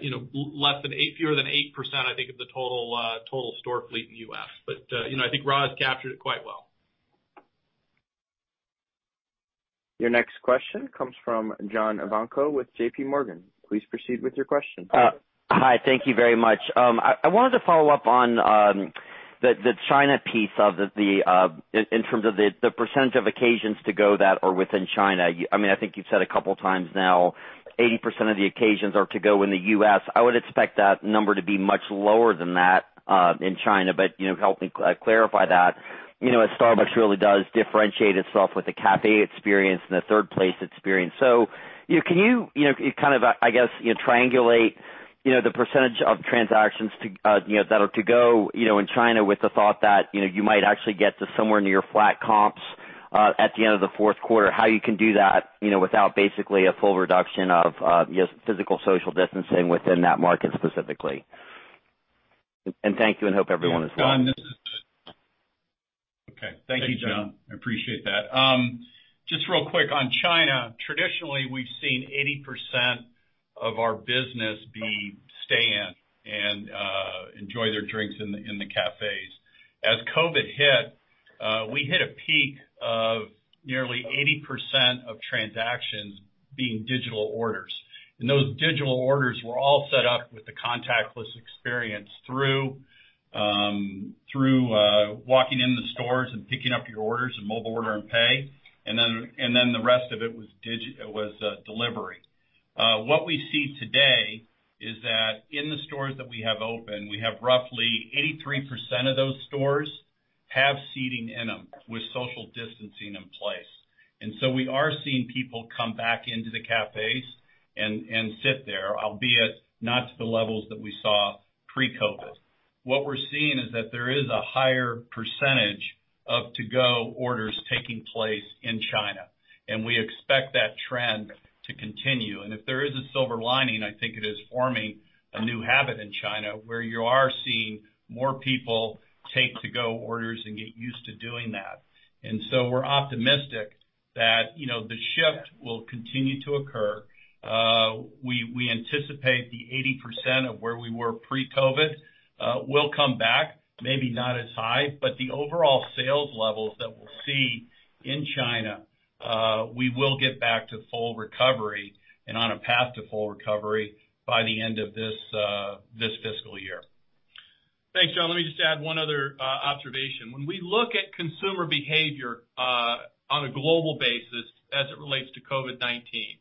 fewer than 8%, I think, of the total store fleet in the U.S. I think Roz captured it quite well. Your next question comes from John Ivankoe with JPMorgan. Please proceed with your question. Hi, thank you very much. I wanted to follow up on the China piece in terms of the percentage of occasions to-go that are within China. I think you've said a couple of times now, 80% of the occasions are to-go in the U.S. I would expect that number to be much lower than that in China. Help me clarify that. Starbucks really does differentiate itself with the café experience and the third place experience. Can you, I guess, triangulate the percentage of transactions that are to-go in China with the thought that you might actually get to somewhere near flat comps at the end of the fourth quarter, how you can do that without basically a full reduction of physical social distancing within that market specifically? Thank you, and hope everyone is well. Thank you, John. I appreciate that. Real quick on China. Traditionally, we've seen 80% of our business be stay in and enjoy their drinks in the cafés. As COVID-19 hit, we hit a peak of nearly 80% of transactions being digital orders. Those digital orders were all set up with the contactless experience through walking in the stores and picking up your orders and Mobile Order & Pay. The rest of it was delivery. What we see today is that in the stores that we have open, we have roughly 83% of those stores have seating in them with social distancing in place. We are seeing people come back into the cafés and sit there, albeit not to the levels that we saw pre-COVID-19. What we're seeing is that there is a higher % of to-go orders taking place in China, and we expect that trend to continue. If there is a silver lining, I think it is forming a new habit in China where you are seeing more people take to-go orders and get used to doing that. We're optimistic that the shift will continue to occur. We anticipate the 80% of where we were pre-COVID will come back, maybe not as high, but the overall sales levels that we'll see in China, we will get back to full recovery and on a path to full recovery by the end of this fiscal year. Thanks, John. Let me just add one other observation. When we look at consumer behavior on a global basis as it relates to COVID-19.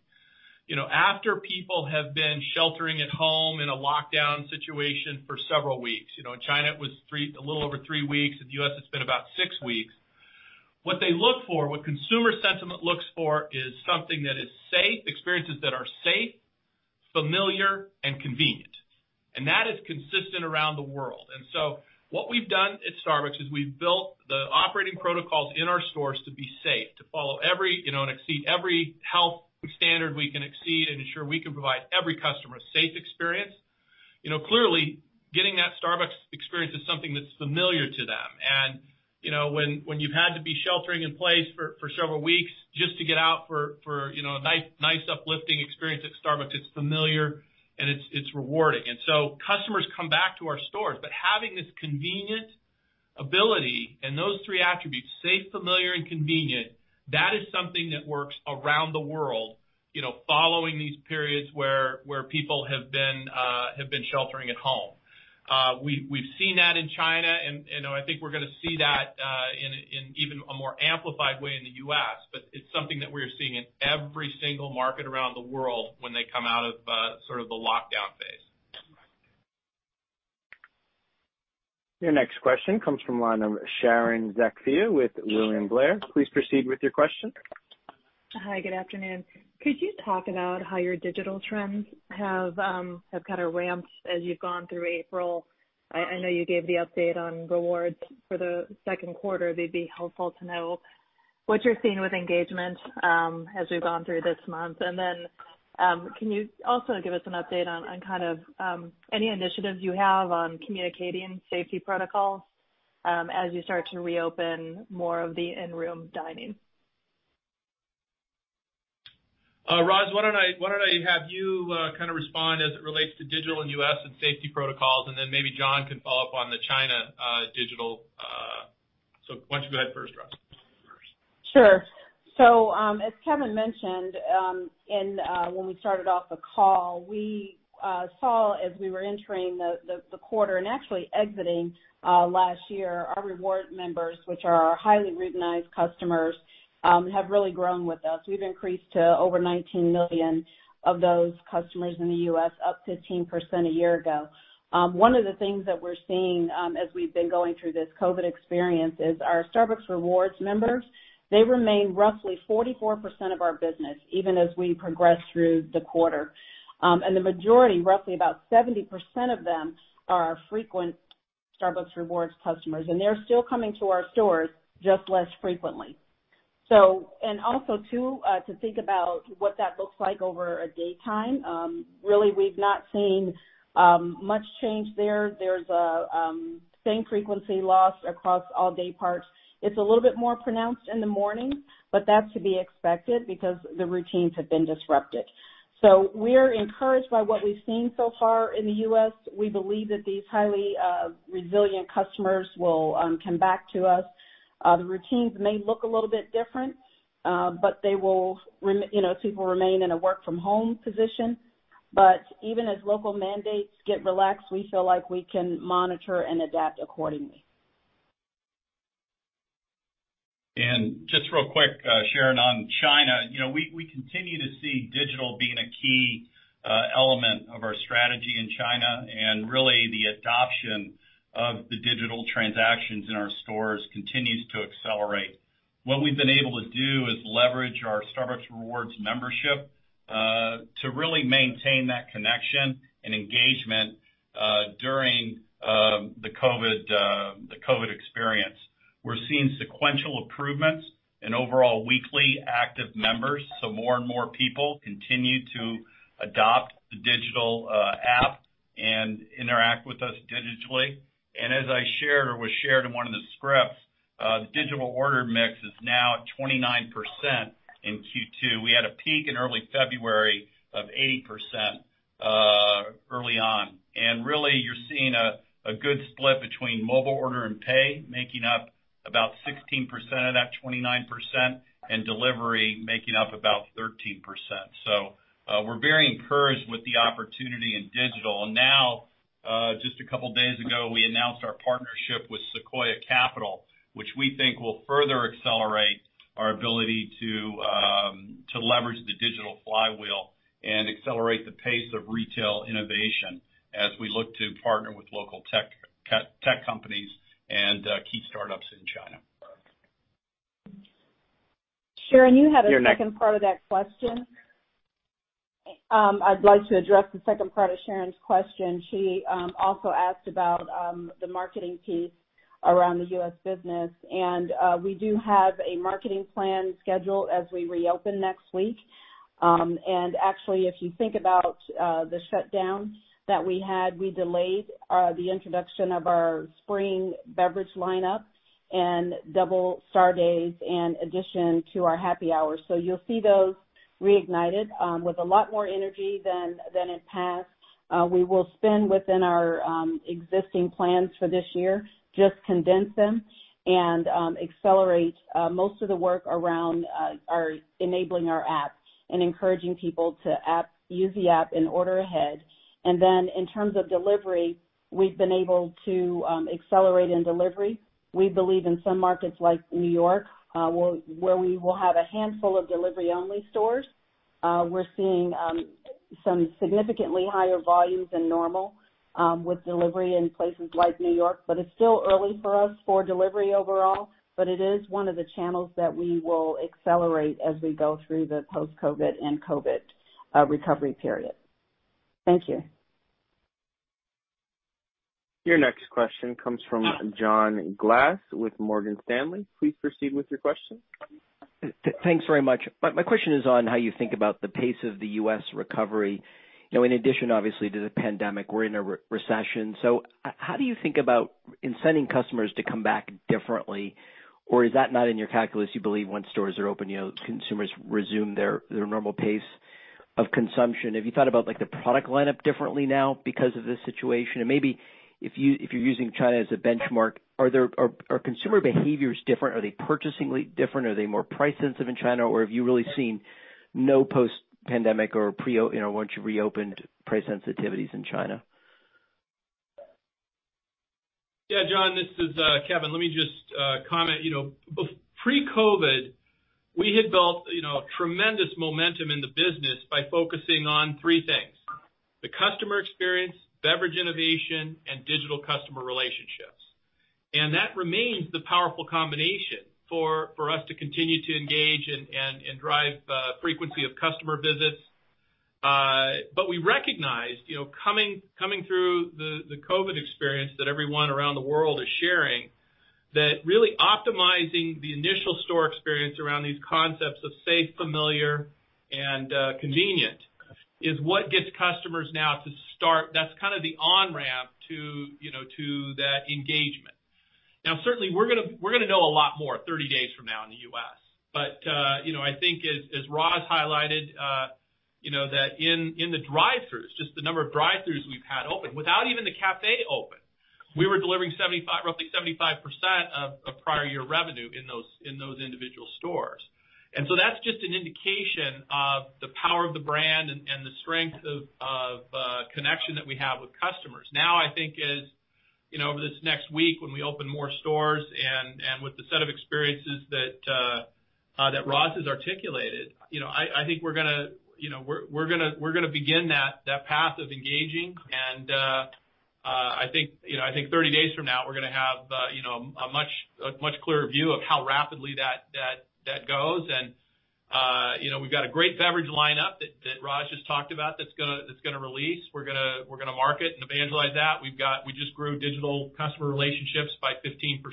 After people have been sheltering at home in a lockdown situation for several weeks. In China, it was a little over three weeks. In the U.S., it's been about six weeks. What they look for, what consumer sentiment looks for is something that is safe, experiences that are safe, familiar, and convenient. That is consistent around the world. What we've done at Starbucks is we've built the operating protocols in our stores to be safe, to follow every and exceed every health standard we can exceed and ensure we can provide every customer a safe experience. Clearly, getting that Starbucks experience is something that's familiar to them. When you've had to be sheltering in place for several weeks just to get out for a nice uplifting experience at Starbucks, it's familiar and it's rewarding. Customers come back to our stores. Having this convenient ability and those three attributes, safe, familiar, and convenient, that is something that works around the world following these periods where people have been sheltering at home. We've seen that in China, and I think we're going to see that in even a more amplified way in the U.S., but it's something that we're seeing in every single market around the world when they come out of sort of the lockdown phase. Your next question comes from line of Sharon Zackfia with William Blair. Please proceed with your question. Hi, good afternoon. Could you talk about how your digital trends have kind of ramped as you've gone through April? I know you gave the update on Rewards for the second quarter. It'd be helpful to know what you're seeing with engagement as we've gone through this month. Can you also give us an update on kind of any initiatives you have on communicating safety protocols as you start to reopen more of the in-room dining? Roz, why don't I have you kind of respond as it relates to digital in U.S. and safety protocols, and then maybe John can follow up on the China digital. Why don't you go ahead first, Roz? Sure. As Kevin mentioned, when we started off the call, we saw as we were entering the quarter and actually exiting last year, our Starbucks Rewards members, which are our highly routinized customers, have really grown with us. We've increased to over 19 million of those customers in the U.S., up 15% a year ago. One of the things that we're seeing as we've been going through this COVID experience is our Starbucks Rewards members, they remain roughly 44% of our business, even as we progress through the quarter. The majority, roughly about 70% of them, are frequent Starbucks Rewards customers, and they're still coming to our stores, just less frequently. And also too, to think about what that looks like over a daytime. Really, we've not seen much change there. There's a same frequency loss across all day parts. It's a little bit more pronounced in the morning, but that's to be expected because the routines have been disrupted. We're encouraged by what we've seen so far in the U.S. We believe that these highly resilient customers will come back to us. The routines may look a little bit different. People remain in a work-from-home position. Even as local mandates get relaxed, we feel like we can monitor and adapt accordingly. Just real quick, Sharon, on China. We continue to see digital being a key element of our strategy in China, and really the adoption of the digital transactions in our stores continues to accelerate. What we've been able to do is leverage our Starbucks Rewards membership to really maintain that connection and engagement during the COVID-19 experience. We're seeing sequential improvements in overall weekly active members, so more and more people continue to adopt the digital app and interact with us digitally. As I shared, or was shared in one of the scripts, the digital order mix is now at 29% in Q2. We had a peak in early February of 80% early on. Really you're seeing a good split between Mobile Order & Pay, making up about 16% of that 29%, and delivery making up about 13%. We're very encouraged with the opportunity in digital. Now, just a couple of days ago, we announced our partnership with Sequoia Capital, which we think will further accelerate our ability to leverage the digital flywheel and accelerate the pace of retail innovation as we look to partner with local tech companies and key startups in China. Sharon, you had a second part of that question. I'd like to address the second part of Sharon's question. She also asked about the marketing piece around the U.S. business. We do have a marketing plan scheduled as we reopen next week. Actually, if you think about the shutdown that we had, we delayed the introduction of our spring beverage lineup and Double Star Days in addition to our Happy Hour. You'll see those reignited with a lot more energy than in past. We will spend within our existing plans for this year, just condense them and accelerate most of the work around enabling our app and encouraging people to use the app and order ahead. In terms of delivery, we've been able to accelerate in delivery. We believe in some markets like New York, where we will have a handful of delivery-only stores. We're seeing some significantly higher volumes than normal with delivery in places like New York, but it's still early for us for delivery overall, but it is one of the channels that we will accelerate as we go through the post-COVID and COVID recovery period. Thank you. Your next question comes from John Glass with Morgan Stanley. Please proceed with your question. Thanks very much. My question is on how you think about the pace of the U.S. recovery. In addition, obviously, to the pandemic, we're in a recession. How do you think about inciting customers to come back differently? Is that not in your calculus, you believe once stores are open, consumers resume their normal pace of consumption? Have you thought about the product lineup differently now because of this situation? Maybe if you're using China as a benchmark, are consumer behaviors different? Are they purchasing different? Are they more price sensitive in China? Have you really seen no post-pandemic or once you reopened, price sensitivities in China? Yeah, John, this is Kevin. Let me just comment. Pre-COVID-19, we had built a tremendous momentum in the business by focusing on three things, the customer experience, beverage innovation, and digital customer relationships. That remains the powerful combination for us to continue to engage and drive frequency of customer visits. We recognized, coming through the COVID-19 experience that everyone around the world is sharing, that really optimizing the initial store experience around these concepts of safe, familiar, and convenient is what gets customers now to start. That's kind of the on-ramp to that engagement. Now, certainly, we're going to know a lot more 30 days from now in the U.S. I think as Roz highlighted that in the drive-throughs, just the number of drive-throughs we've had open, without even the café open, we were delivering roughly 75% of prior year revenue in those individual stores. That's just an indication of the power of the brand and the strength of connection that we have with customers. Now I think as over this next week when we open more stores and with the set of experiences that Roz has articulated, I think we're going to begin that path of engaging and I think 30 days from now, we're going to have a much clearer view of how rapidly that goes. We've got a great beverage lineup that Roz just talked about that's going to release. We're going to market and evangelize that. We just grew digital customer relationships by 15%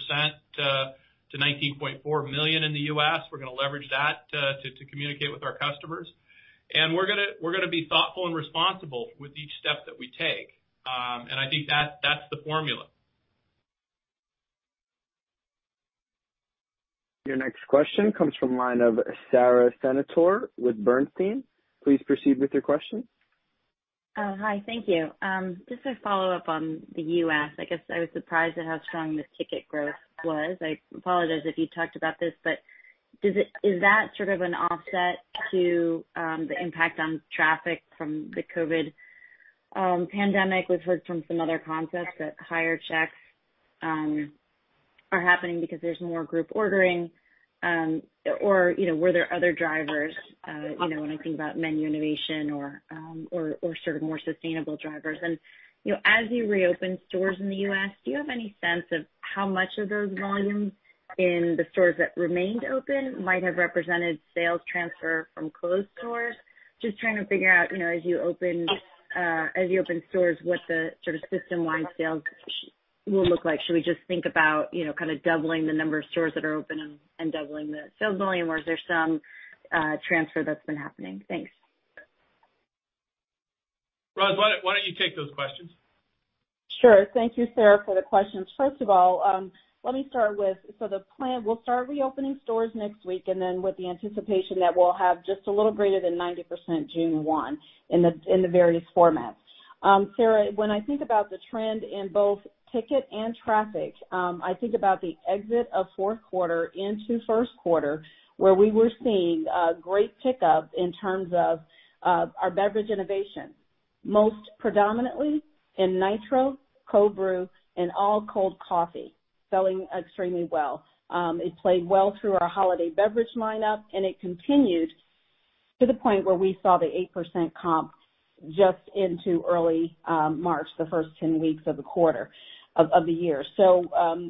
to 19.4 million in the U.S. We're going to leverage that to communicate with our customers. We're going to be thoughtful and responsible with each step that we take. I think that's the formula. Your next question comes from the line of Sara Senatore with Bernstein. Please proceed with your question. Hi, thank you. Just a follow-up on the U.S. I guess I was surprised at how strong this ticket growth was. I apologize if you talked about this. Is that sort of an offset to the impact on traffic from the COVID-19 pandemic? We've heard from some other concepts that higher checks are happening because there's more group ordering. Were there other drivers, when I think about menu innovation or sort of more sustainable drivers. As you reopen stores in the U.S., do you have any sense of how much of those volumes in the stores that remained open might have represented sales transfer from closed stores? Just trying to figure out as you open stores, what the sort of system-wide sales will look like. Should we just think about doubling the number of stores that are open and doubling the sales volume, or is there some transfer that's been happening? Thanks. Roz, why don't you take those questions? Sure. Thank you, Sara, for the questions. First of all, let me start with, the plan, we'll start reopening stores next week, and then with the anticipation that we'll have just a little greater than 90% June 1 in the various formats. Sara, when I think about the trend in both ticket and traffic, I think about the exit of fourth quarter into first quarter, where we were seeing a great pickup in terms of our beverage innovation. Most predominantly in Nitro Cold Brew, and all cold coffee selling extremely well. It played well through our holiday beverage line up, and it continued to the point where we saw the 8% comp just into early March, the first 10 weeks of the year.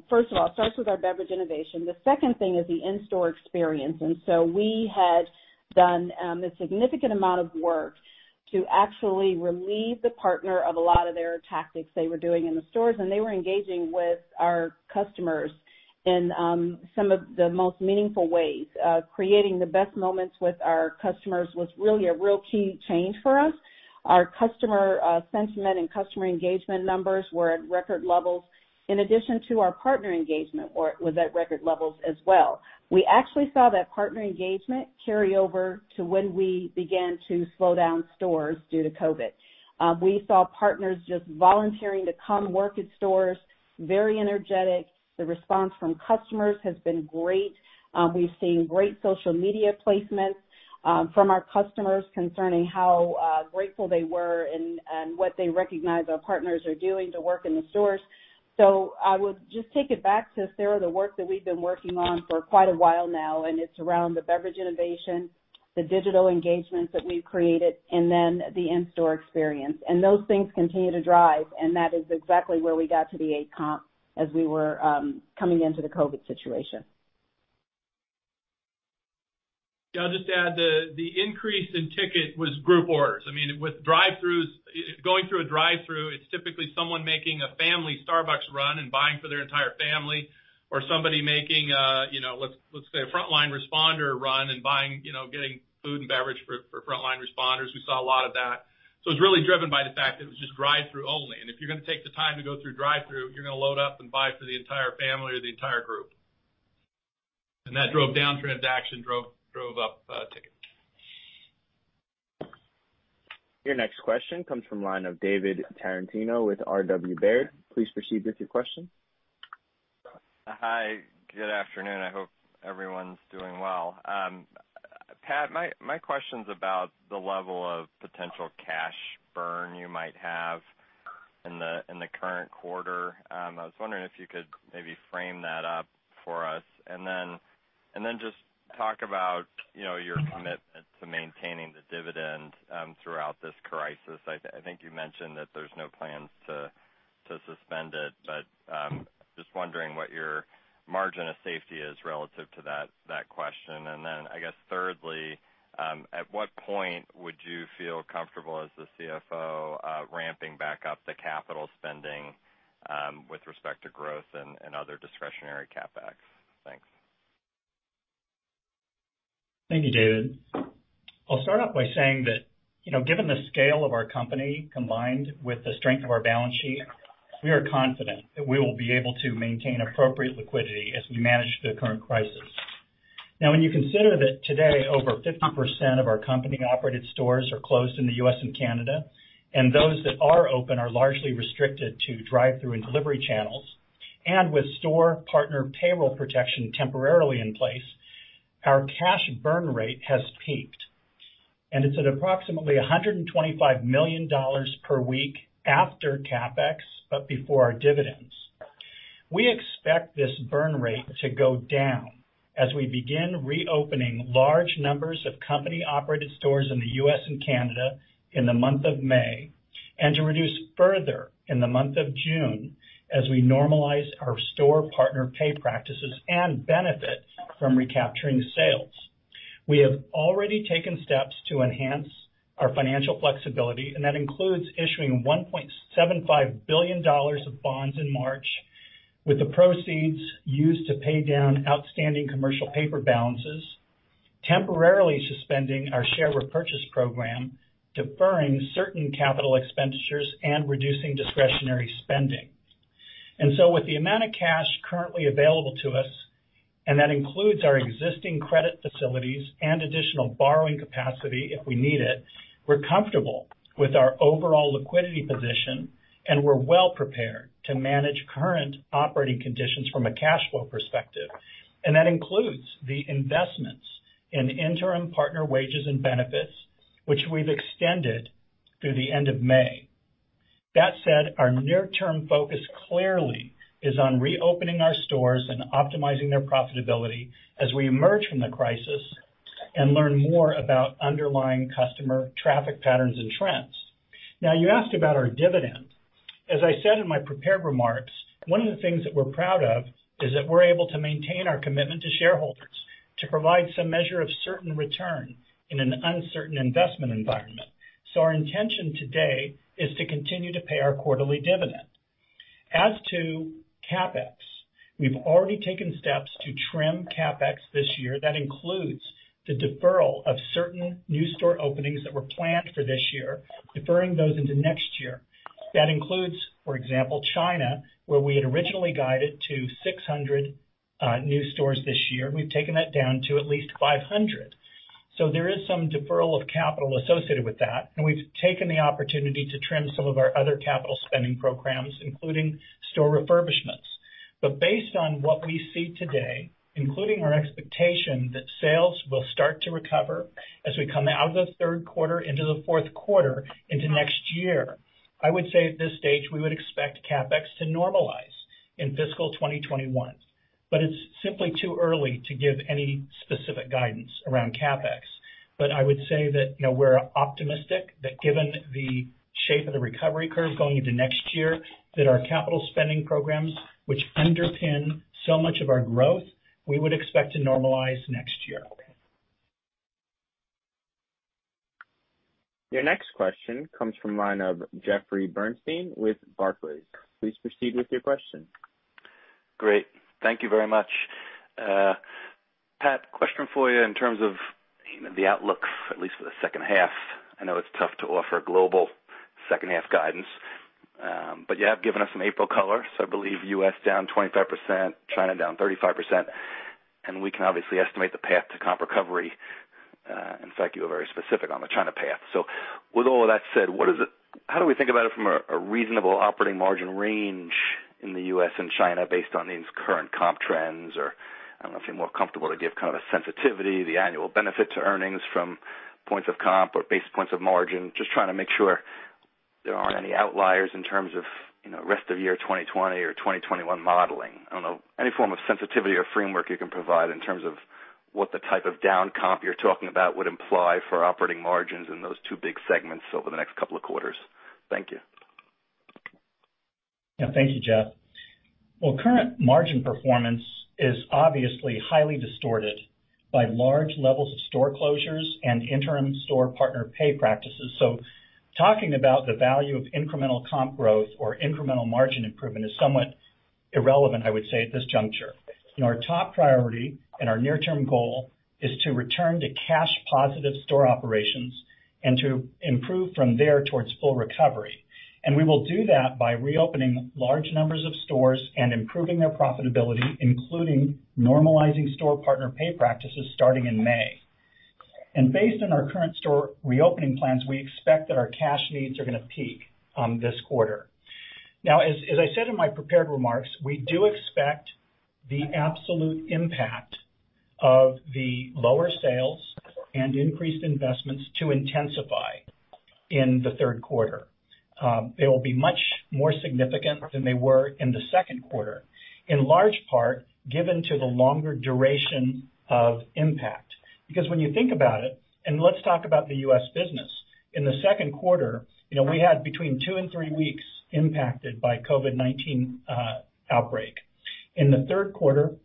First of all, it starts with our beverage innovation. The second thing is the in-store experience. We had done a significant amount of work to actually relieve the partner of a lot of their tactics they were doing in the stores, and they were engaging with our customers in some of the most meaningful ways. Creating the best moments with our customers was really a real key change for us. Our customer sentiment and customer engagement numbers were at record levels. In addition to our partner engagement was at record levels as well. We actually saw that partner engagement carry over to when we began to slow down stores due to COVID-19. We saw partners just volunteering to come work at stores, very energetic. The response from customers has been great. We've seen great social media placements from our customers concerning how grateful they were and what they recognize our partners are doing to work in the stores. I would just take it back to, Sara, the work that we've been working on for quite a while now, and it's around the beverage innovation, the digital engagements that we've created, and then the in-store experience. Those things continue to drive, and that is exactly where we got to the eight comp as we were coming into the COVID situation. Yeah, I'll just add the increase in ticket was group orders. With drive-throughs, going through a drive-thru, it's typically someone making a family Starbucks run and buying for their entire family, or somebody making a, let's say, a frontline responder run and getting food and beverage for frontline responders. We saw a lot of that. It's really driven by the fact that it was just drive-thru only. If you're going to take the time to go through a drive-thru, you're going to load up and buy for the entire family or the entire group. That drove down transaction, drove up ticket. Your next question comes from the line of David Tarantino with R.W. Baird. Please proceed with your question. Hi. Good afternoon. I hope everyone's doing well. Pat, my question's about the level of potential cash burn you might have in the current quarter. I was wondering if you could maybe frame that up for us. Just talk about your commitment to maintaining the dividend throughout this crisis. I think you mentioned that there's no plans to suspend it, but just wondering what your margin of safety is relative to that question. I guess thirdly, at what point would you feel comfortable as the CFO ramping back up the capital spending with respect to growth and other discretionary CapEx? Thanks. Thank you, David. I'll start off by saying that given the scale of our company, combined with the strength of our balance sheet. We are confident that we will be able to maintain appropriate liquidity as we manage through the current crisis. When you consider that today, over 50% of our company-operated stores are closed in the U.S. and Canada, and those that are open are largely restricted to drive-thru and delivery channels, and with store partner payroll protection temporarily in place, our cash burn rate has peaked, and it's at approximately $125 million per week after CapEx, but before our dividends. We expect this burn rate to go down as we begin reopening large numbers of company-operated stores in the U.S. and Canada in the month of May, and to reduce further in the month of June as we normalize our store partner pay practices and benefit from recapturing sales. That includes issuing $1.75 billion of bonds in March, with the proceeds used to pay down outstanding commercial paper balances, temporarily suspending our share repurchase program, deferring certain CapEx, and reducing discretionary spending. With the amount of cash currently available to us, and that includes our existing credit facilities and additional borrowing capacity if we need it, we're comfortable with our overall liquidity position, and we're well prepared to manage current operating conditions from a cash flow perspective. That includes the investments in interim partner wages and benefits, which we've extended through the end of May. That said, our near-term focus clearly is on reopening our stores and optimizing their profitability as we emerge from the crisis and learn more about underlying customer traffic patterns and trends. You asked about our dividend. As I said in my prepared remarks, one of the things that we're proud of is that we're able to maintain our commitment to shareholders to provide some measure of certain return in an uncertain investment environment. Our intention today is to continue to pay our quarterly dividend. As to CapEx, we've already taken steps to trim CapEx this year. That includes the deferral of certain new store openings that were planned for this year, deferring those into next year. That includes, for example, China, where we had originally guided to 600 new stores this year. We've taken that down to at least 500. There is some deferral of capital associated with that, and we've taken the opportunity to trim some of our other capital spending programs, including store refurbishments. Based on what we see today, including our expectation that sales will start to recover as we come out of the third quarter into the fourth quarter into next year, I would say at this stage, we would expect CapEx to normalize in fiscal 2021. It's simply too early to give any specific guidance around CapEx. I would say that we're optimistic that given the shape of the recovery curve going into next year, that our capital spending programs, which underpin so much of our growth, we would expect to normalize next year. Your next question comes from the line of Jeffrey Bernstein with Barclays. Please proceed with your question. Great. Thank you very much. Pat, question for you in terms of the outlook, at least for the second half. I know it's tough to offer global second half guidance. You have given us some April color, so I believe U.S. down 25%, China down 35%, and we can obviously estimate the path to comp recovery. In fact, you were very specific on the China path. With all of that said, how do we think about it from a reasonable operating margin range in the U.S. and China based on these current comp trends? I don't know if you're more comfortable to give kind of a sensitivity, the annual benefit to earnings from points of comp or basis points of margin. Just trying to make sure there aren't any outliers in terms of rest of year 2020 or 2021 modeling. I don't know, any form of sensitivity or framework you can provide in terms of what the type of down comp you're talking about would imply for operating margins in those two big segments over the next couple of quarters. Thank you. Yeah. Thank you, Jeff. Well, current margin performance is obviously highly distorted by large levels of store closures and interim store partner pay practices. Talking about the value of incremental comp growth or incremental margin improvement is somewhat irrelevant, I would say, at this juncture. Our top priority and our near-term goal is to return to cash positive store operations and to improve from there towards full recovery. We will do that by reopening large numbers of stores and improving their profitability, including normalizing store partner pay practices starting in May. Based on our current store reopening plans, we expect that our cash needs are going to peak this quarter. Now, as I said in my prepared remarks, we do expect the absolute impact of the lower sales and increased investments to intensify in the third quarter. They will be much more significant than they were in the second quarter, in large part given to the longer duration of impact. When you think about it, let's talk about the U.S. business. In the second quarter, we had between two and three weeks impacted by COVID-19 outbreak. In the third quarter,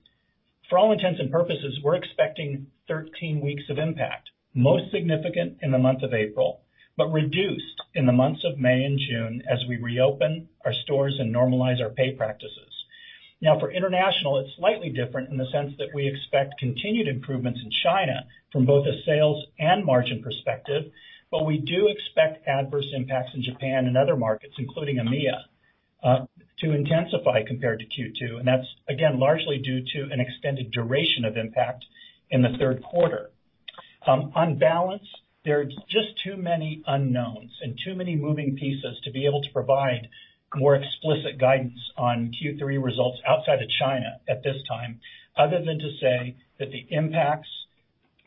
for all intents and purposes, we're expecting 13 weeks of impact, most significant in the month of April. Reduced in the months of May and June as we reopen our stores and normalize our pay practices. For international, it's slightly different in the sense that we expect continued improvements in China from both a sales and margin perspective. We do expect adverse impacts in Japan and other markets, including EMEA, to intensify compared to Q2. That's, again, largely due to an extended duration of impact in the third quarter. On balance, there are just too many unknowns and too many moving pieces to be able to provide more explicit guidance on Q3 results outside of China at this time, other than to say that the impacts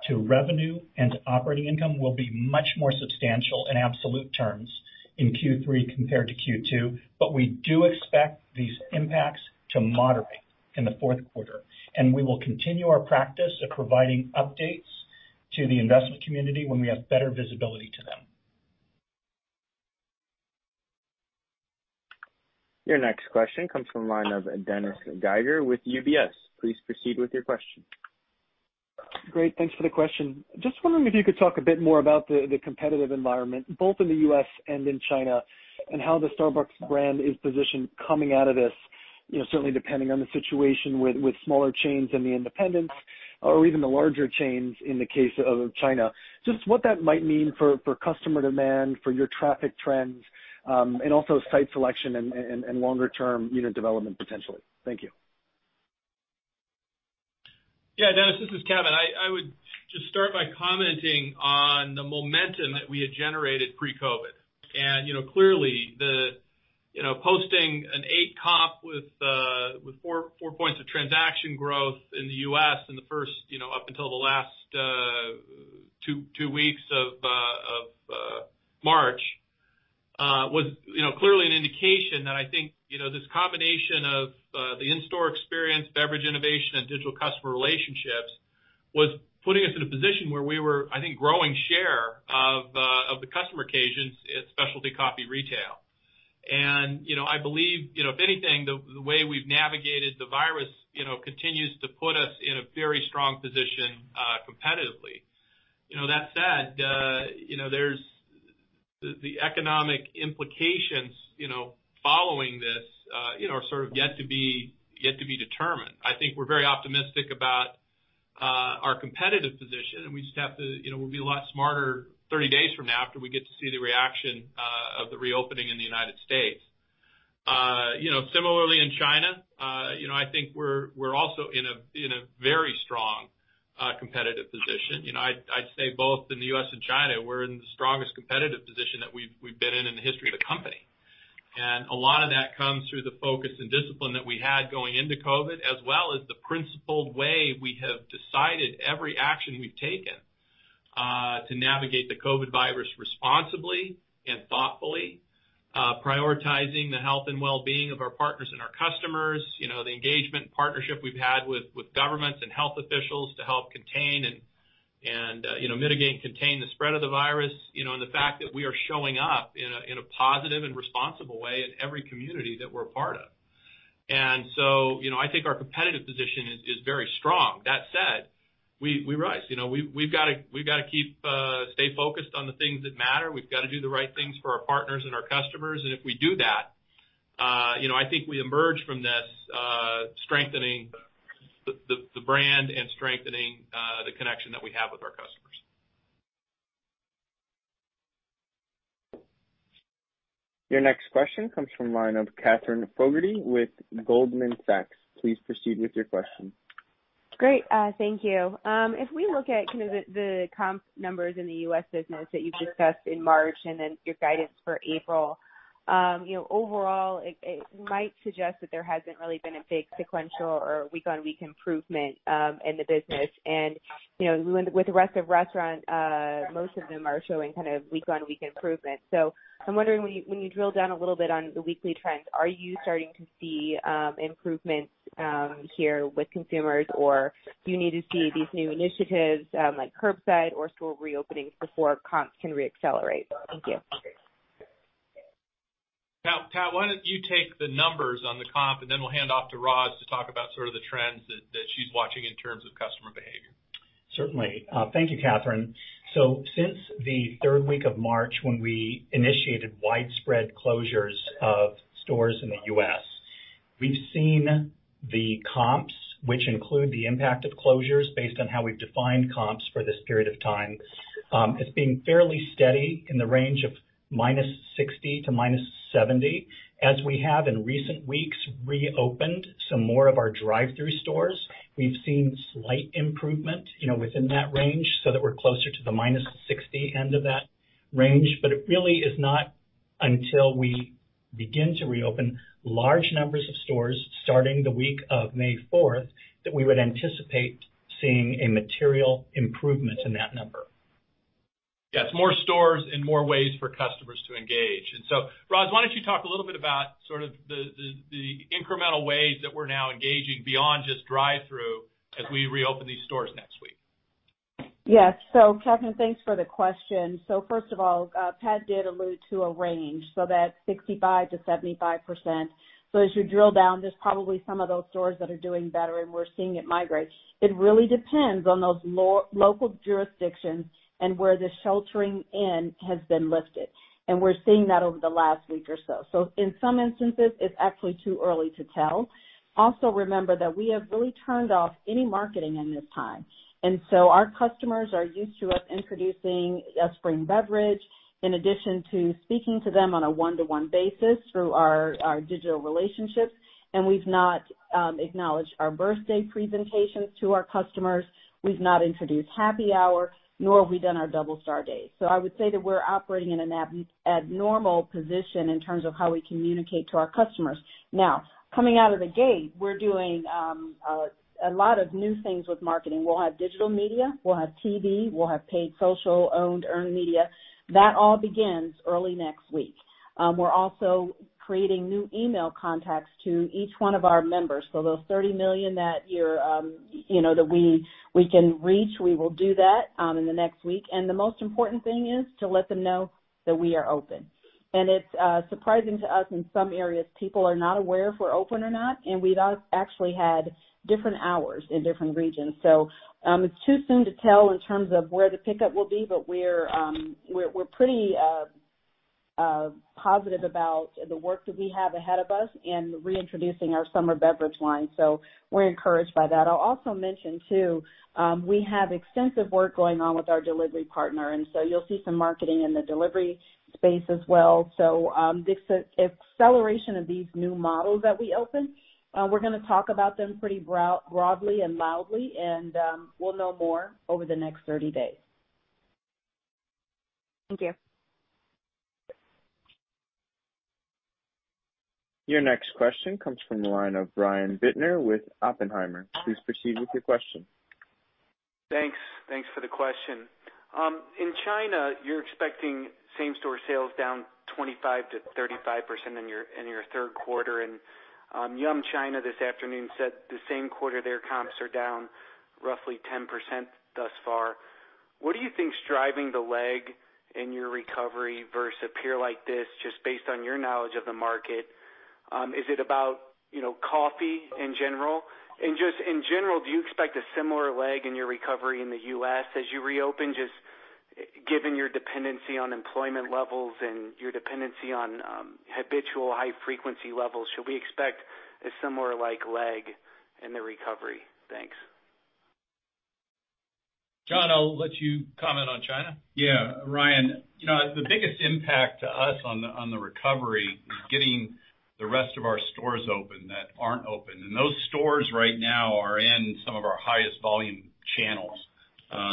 to revenue and to operating income will be much more substantial in absolute terms in Q3 compared to Q2. We do expect these impacts to moderate in the fourth quarter, and we will continue our practice of providing updates to the investment community when we have better visibility to them. Your next question comes from the line of Dennis Geiger with UBS. Please proceed with your question. Great. Thanks for the question. Just wondering if you could talk a bit more about the competitive environment, both in the U.S. and in China, and how the Starbucks brand is positioned coming out of this, certainly depending on the situation with smaller chains and the independents or even the larger chains in the case of China. Just what that might mean for customer demand, for your traffic trends, and also site selection and longer-term unit development, potentially. Thank you. Yeah, Dennis, this is Kevin. I would just start by commenting on the momentum that we had generated pre-COVID-19. Clearly, posting an 8% comp with 4 points of transaction growth in the U.S. up until the last two weeks of March was clearly an indication that I think this combination of the in-store experience, beverage innovation, and digital customer relationships was putting us in a position where we were, I think, growing share of the customer occasions in specialty coffee retail. I believe, if anything, the way we've navigated the virus continues to put us in a very strong position competitively. That said, the economic implications following this are sort of yet to be determined. I think we're very optimistic about our competitive position, and we'll be a lot smarter 30 days from now after we get to see the reaction of the reopening in the United States. Similarly in China, I think we're also in a very strong competitive position. I'd say both in the U.S. and China, we're in the strongest competitive position that we've been in the history of the company. A lot of that comes through the focus and discipline that we had going into COVID-19, as well as the principled way we have decided every action we've taken to navigate the COVID-19 virus responsibly and thoughtfully, prioritizing the health and wellbeing of our partners and our customers. The engagement partnership we've had with governments and health officials to help mitigate and contain the spread of the virus, and the fact that we are showing up in a positive and responsible way in every community that we're a part of. I think our competitive position is very strong. That said, we rise. We've got to stay focused on the things that matter. We've got to do the right things for our partners and our customers. If we do that, I think we emerge from this strengthening the brand and strengthening the connection that we have with our customers. Your next question comes from the line of Katherine Fogertey with Goldman Sachs. Please proceed with your question. Great. Thank you. We look at kind of the comp numbers in the U.S. business that you've discussed in March and then your guidance for April. Overall, it might suggest that there hasn't really been a big sequential or week-on-week improvement in the business. With the rest of restaurant, most of them are showing kind of week-on-week improvement. I'm wondering, when you drill down a little bit on the weekly trends, are you starting to see improvements here with consumers, or do you need to see these new initiatives like curbside or store reopenings before comps can re-accelerate? Thank you. Pat, why don't you take the numbers on the comp, and then we'll hand off to Roz to talk about sort of the trends that she's watching in terms of customer behavior. Certainly. Thank you, Katherine. Since the third week of March, when we initiated widespread closures of stores in the U.S., we've seen the comps, which include the impact of closures based on how we've defined comps for this period of time, as being fairly steady in the range of -60% to -70%. As we have in recent weeks reopened some more of our drive-thru stores, we've seen slight improvement within that range so that we're closer to the -60% end of that range. It really is not until we begin to reopen large numbers of stores starting the week of May 4th, that we would anticipate seeing a material improvement in that number. Yeah, it's more stores and more ways for customers to engage. Roz, why don't you talk a little bit about sort of the incremental ways that we're now engaging beyond just drive-thru as we reopen these stores next week? Yes. Katherine, thanks for the question. First of all, Pat did allude to a range, that's 65%-75%. As you drill down, there's probably some of those stores that are doing better, and we're seeing it migrate. It really depends on those local jurisdictions and where the sheltering in has been lifted. We're seeing that over the last week or so. In some instances, it's actually too early to tell. Also, remember that we have really turned off any marketing in this time, and so our customers are used to us introducing a spring beverage in addition to speaking to them on a one-to-one basis through our digital relationships. We've not acknowledged our birthday presentations to our customers. We've not introduced Happy Hour, nor have we done our Double Star Days. I would say that we're operating in an abnormal position in terms of how we communicate to our customers. Now, coming out of the gate, we're doing a lot of new things with marketing. We'll have digital media, we'll have TV, we'll have paid social, owned earned media. That all begins early next week. We're also creating new email contacts to each one of our members. Those 30 million that we can reach, we will do that in the next week. The most important thing is to let them know that we are open. It's surprising to us in some areas, people are not aware if we're open or not, and we've actually had different hours in different regions. It's too soon to tell in terms of where the pickup will be, but we're pretty positive about the work that we have ahead of us in reintroducing our summer beverage line. We're encouraged by that. I'll also mention too, we have extensive work going on with our delivery partner, you'll see some marketing in the delivery space as well. This acceleration of these new models that we open, we're going to talk about them pretty broadly and loudly, and we'll know more over the next 30 days. Thank you. Your next question comes from the line of Brian Bittner with Oppenheimer. Please proceed with your question. Thanks for the question. In China, you're expecting same-store sales down 25%-35% in your third quarter. Yum China this afternoon said the same quarter, their comps are down roughly 10% thus far. What do you think is driving the lag in your recovery versus a peer like this, just based on your knowledge of the market? Is it about coffee in general? Just in general, do you expect a similar lag in your recovery in the U.S. as you reopen, just given your dependency on employment levels and your dependency on habitual high-frequency levels, should we expect a similar lag in the recovery? Thanks. John, I'll let you comment on China. Brian, the biggest impact to us on the recovery is getting the rest of our stores open that aren't open. Those stores right now are in some of our highest volume channels.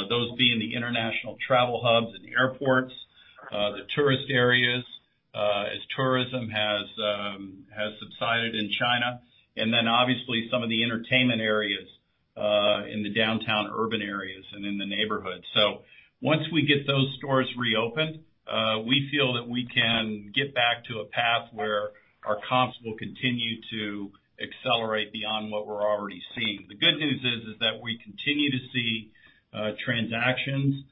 Those being the international travel hubs and the airports, the tourist areas, as tourism has subsided in China, and then obviously some of the entertainment areas in the downtown urban areas and in the neighborhood. Once we get those stores reopened, we feel that we can get back to a path where our comps will continue to accelerate beyond what we're already seeing. The good news is that we continue to see transactions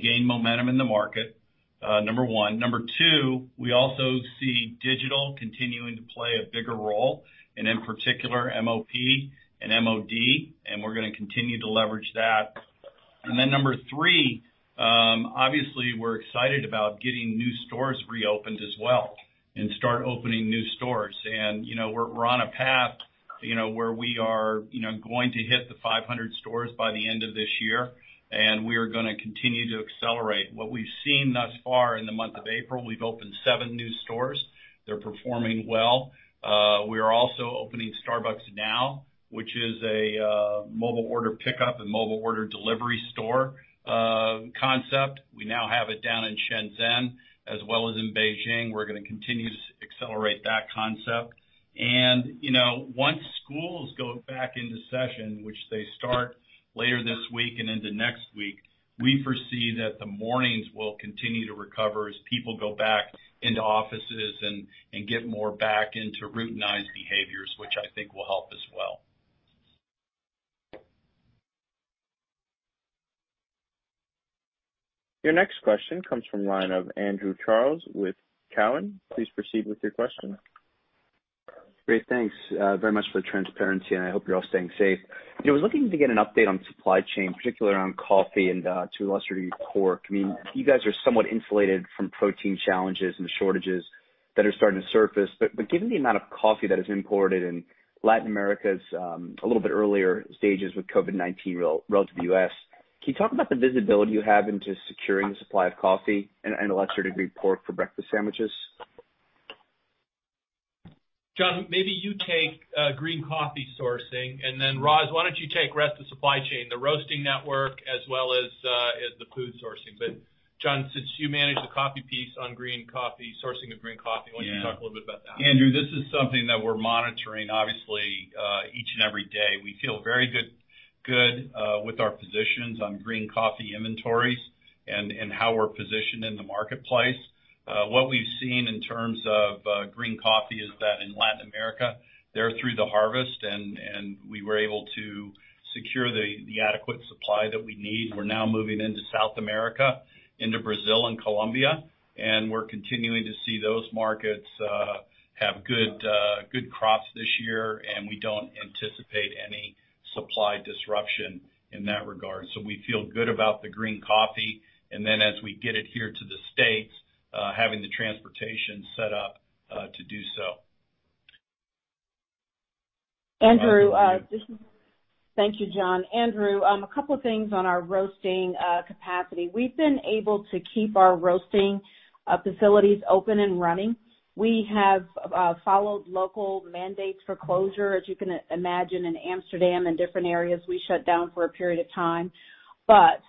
gain momentum in the market, number one. Number two, we also see digital continuing to play a bigger role, and in particular MOP and MOD, and we're going to continue to leverage that. Number three, obviously we're excited about getting new stores reopened as well and start opening new stores. We're on a path where we are going to hit the 500 stores by the end of this year. We are going to continue to accelerate. What we've seen thus far in the month of April, we've opened seven new stores. They're performing well. We are also opening Starbucks Now, which is a mobile order pickup and mobile order delivery store concept. We now have it down in Shenzhen as well as in Beijing. We're going to continue to accelerate that concept. Once schools go back into session, which they start later this week and into next week, we foresee that the mornings will continue to recover as people go back into offices and get more back into routinized behaviors, which I think will help as well. Your next question comes from the line of Andrew Charles with Cowen. Please proceed with your question. Great. Thanks very much for the transparency, and I hope you're all staying safe. I was looking to get an update on supply chain, particularly around coffee and to a lesser degree, pork. You guys are somewhat insulated from protein challenges and shortages that are starting to surface. Given the amount of coffee that is imported and Latin America's a little bit earlier stages with COVID-19 relative to the U.S., can you talk about the visibility you have into securing the supply of coffee and a lesser degree, pork for breakfast sandwiches? John, maybe you take green coffee sourcing, and then Roz, why don't you take rest of the supply chain, the roasting network as well as the food sourcing. John, since you manage the coffee piece on sourcing of green coffee, why don't you talk a little bit about that? Andrew, this is something that we're monitoring, obviously, each and every day. We feel very good with our positions on green coffee inventories and how we're positioned in the marketplace. What we've seen in terms of green coffee is that in Latin America, they're through the harvest, and we were able to secure the adequate supply that we need. We're now moving into South America, into Brazil and Colombia, and we're continuing to see those markets have good crops this year, and we don't anticipate any supply disruption in that regard. We feel good about the green coffee, and then as we get it here to the U.S., having the transportation set up to do so. Thank you, John. Andrew, a couple of things on our roasting capacity. We've been able to keep our roasting facilities open and running. We have followed local mandates for closure. As you can imagine, in Amsterdam and different areas, we shut down for a period of time. But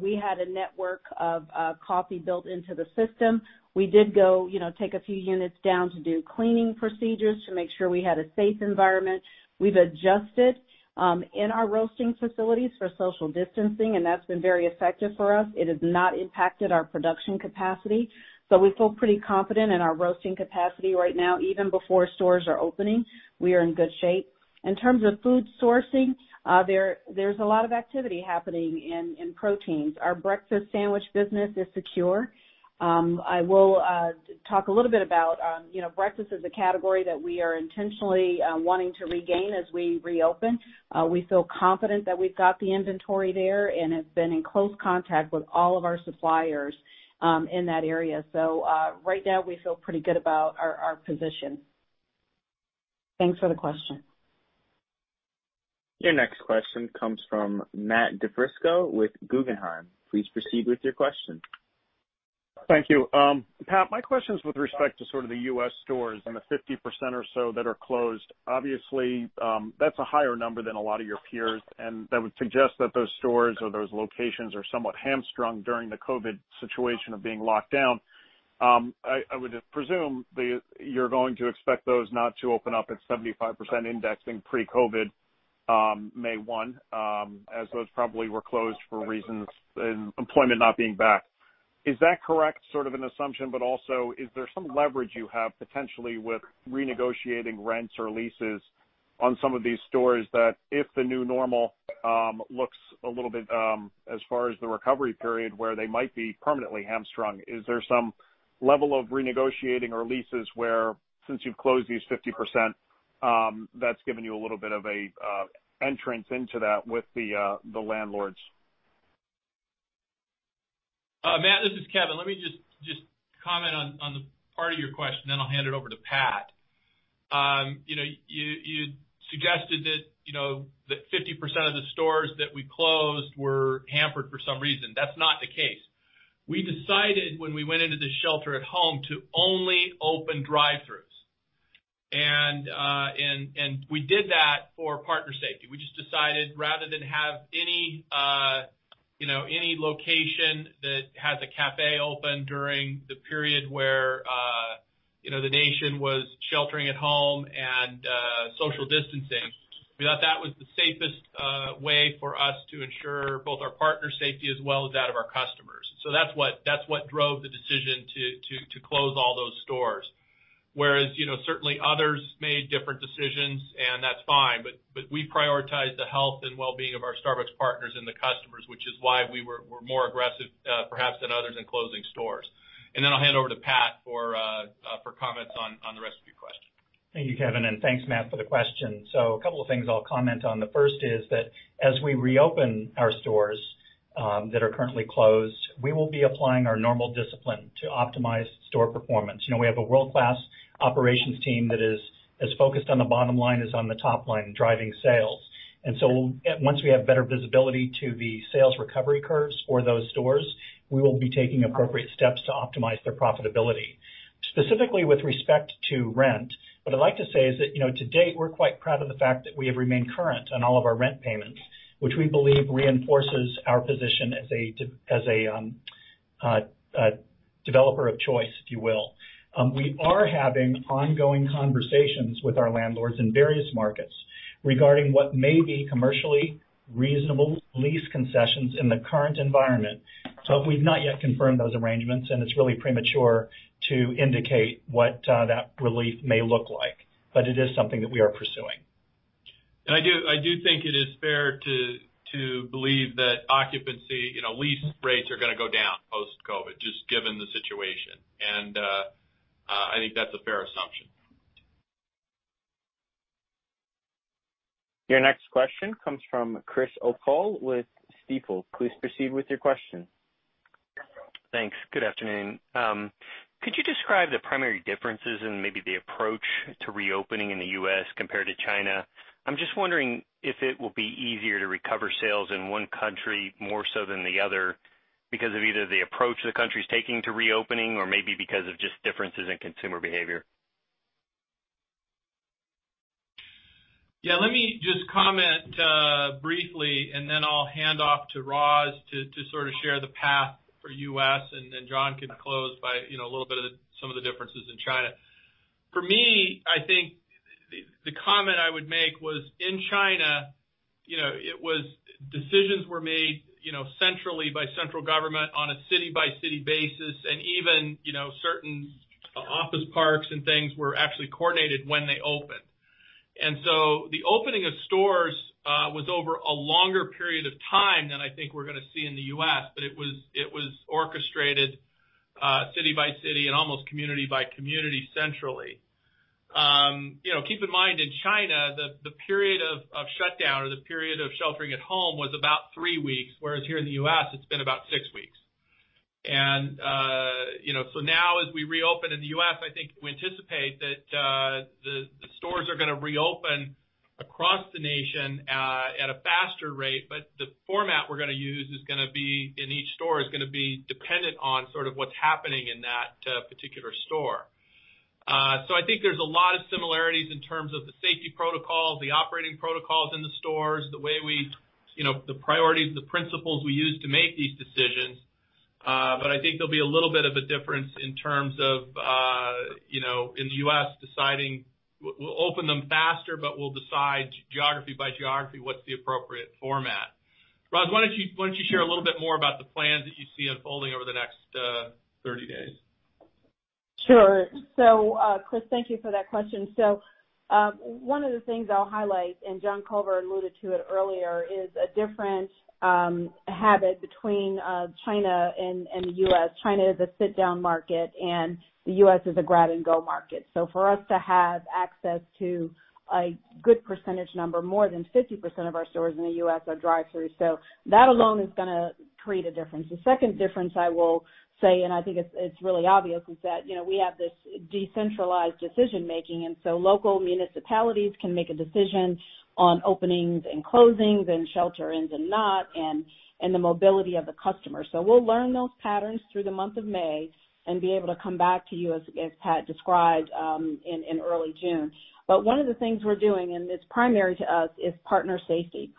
we had a network of coffee built into the system. We did go take a few units down to do cleaning procedures to make sure we had a safe environment. We've adjusted in our roasting facilities for social distancing, and that's been very effective for us. It has not impacted our production capacity. So we feel pretty confident in our roasting capacity right now, even before stores are opening. We are in good shape. In terms of food sourcing, there's a lot of activity happening in proteins. Our breakfast sandwich business is secure. I will talk a little bit about breakfast as a category that we are intentionally wanting to regain as we reopen. We feel confident that we've got the inventory there, and have been in close contact with all of our suppliers in that area. Right now, we feel pretty good about our position. Thanks for the question. Your next question comes from Matt DiFrisco with Guggenheim. Please proceed with your question. Thank you. Pat, my question is with respect to sort of the U.S. stores and the 50% or so that are closed. Obviously, that's a higher number than a lot of your peers, and that would suggest that those stores or those locations are somewhat hamstrung during the COVID-19 situation of being locked down. I would presume that you're going to expect those not to open up at 75% indexing pre-COVID-19, May 1, as those probably were closed for reasons in employment not being back. Is that correct, sort of an assumption, also, is there some leverage you have potentially with renegotiating rents or leases on some of these stores, that if the new normal looks a little bit, as far as the recovery period, where they might be permanently hamstrung? Is there some level of renegotiating or leases where since you've closed these 50%, that's given you a little bit of an entrance into that with the landlords? Matt, this is Kevin. Let me just comment on the part of your question, then I'll hand it over to Pat. You suggested that 50% of the stores that we closed were hampered for some reason. That's not the case. We decided when we went into the shelter at home to only open drive-thrus. We did that for partner safety. We just decided, rather than have any location that has a café open during the period where the nation was sheltering at home and social distancing. We thought that was the safest way for us to ensure both our partner safety as well as that of our customers. That's what drove the decision to close all those stores. Certainly others made different decisions, and that's fine, but we prioritize the health and wellbeing of our Starbucks partners and the customers, which is why we were more aggressive perhaps than others in closing stores. I'll hand over to Pat for comments on the rest of your question. Thank you, Kevin, and thanks, Matt, for the question. A couple of things I'll comment on. The first is that as we reopen our stores that are currently closed, we will be applying our normal discipline to optimize store performance. We have a world-class operations team that is as focused on the bottom line as on the top line, driving sales. Once we have better visibility to the sales recovery curves for those stores, we will be taking appropriate steps to optimize their profitability. Specifically, with respect to rent, what I'd like to say is that to date, we're quite proud of the fact that we have remained current on all of our rent payments, which we believe reinforces our position as a developer of choice, if you will. We are having ongoing conversations with our landlords in various markets regarding what may be commercially reasonable lease concessions in the current environment. We've not yet confirmed those arrangements, and it's really premature to indicate what that relief may look like. It is something that we are pursuing. I do think it is fair to believe that occupancy lease rates are going to go down post-COVID, just given the situation. I think that's a fair assumption. Your next question comes from Chris O'Cull with Stifel. Please proceed with your question. Thanks. Good afternoon. Could you describe the primary differences in maybe the approach to reopening in the U.S. compared to China? I'm just wondering if it will be easier to recover sales in one country more so than the other because of either the approach the country's taking to reopening or maybe because of just differences in consumer behavior. Yeah, let me just comment briefly, and then I'll hand off to Roz to sort of share the path for U.S., and then John can close by a little bit of some of the differences in China. For me, I think the comment I would make was, in China, decisions were made centrally by central government on a city-by-city basis. Even certain office parks and things were actually coordinated when they opened. The opening of stores was over a longer period of time than I think we're going to see in the U.S., but it was orchestrated city by city and almost community by community centrally. Keep in mind, in China, the period of shutdown or the period of sheltering at home was about three weeks, whereas here in the U.S., it's been about six weeks. Now as we reopen in the U.S., I think we anticipate that the stores are going to reopen across the nation at a faster rate, but the format we're going to use in each store is going to be dependent on sort of what's happening in that particular store. I think there's a lot of similarities in terms of the safety protocols, the operating protocols in the stores, the priorities, the principles we use to make these decisions. I think there'll be a little bit of a difference in terms of, in the U.S. deciding we'll open them faster, but we'll decide geography by geography what's the appropriate format. Roz, why don't you share a little bit more about the plans that you see unfolding over the next 30 days? Sure. Chris, thank you for that question. One of the things I'll highlight, and John Culver alluded to it earlier, is a different habit between China and the U.S. China is a sit-down market, and the U.S. is a grab-and-go market. For us to have access to a good percentage number, more than 50% of our stores in the U.S. are drive-thru. That alone is going to create a difference. The second difference I will say, and I think it's really obvious, is that we have this decentralized decision-making. Local municipalities can make a decision on openings and closings and shelter-ins and not, and the mobility of the customer. We'll learn those patterns through the month of May and be able to come back to you, as Pat described, in early June. One of the things we're doing, and it's primary to us, is partner safety.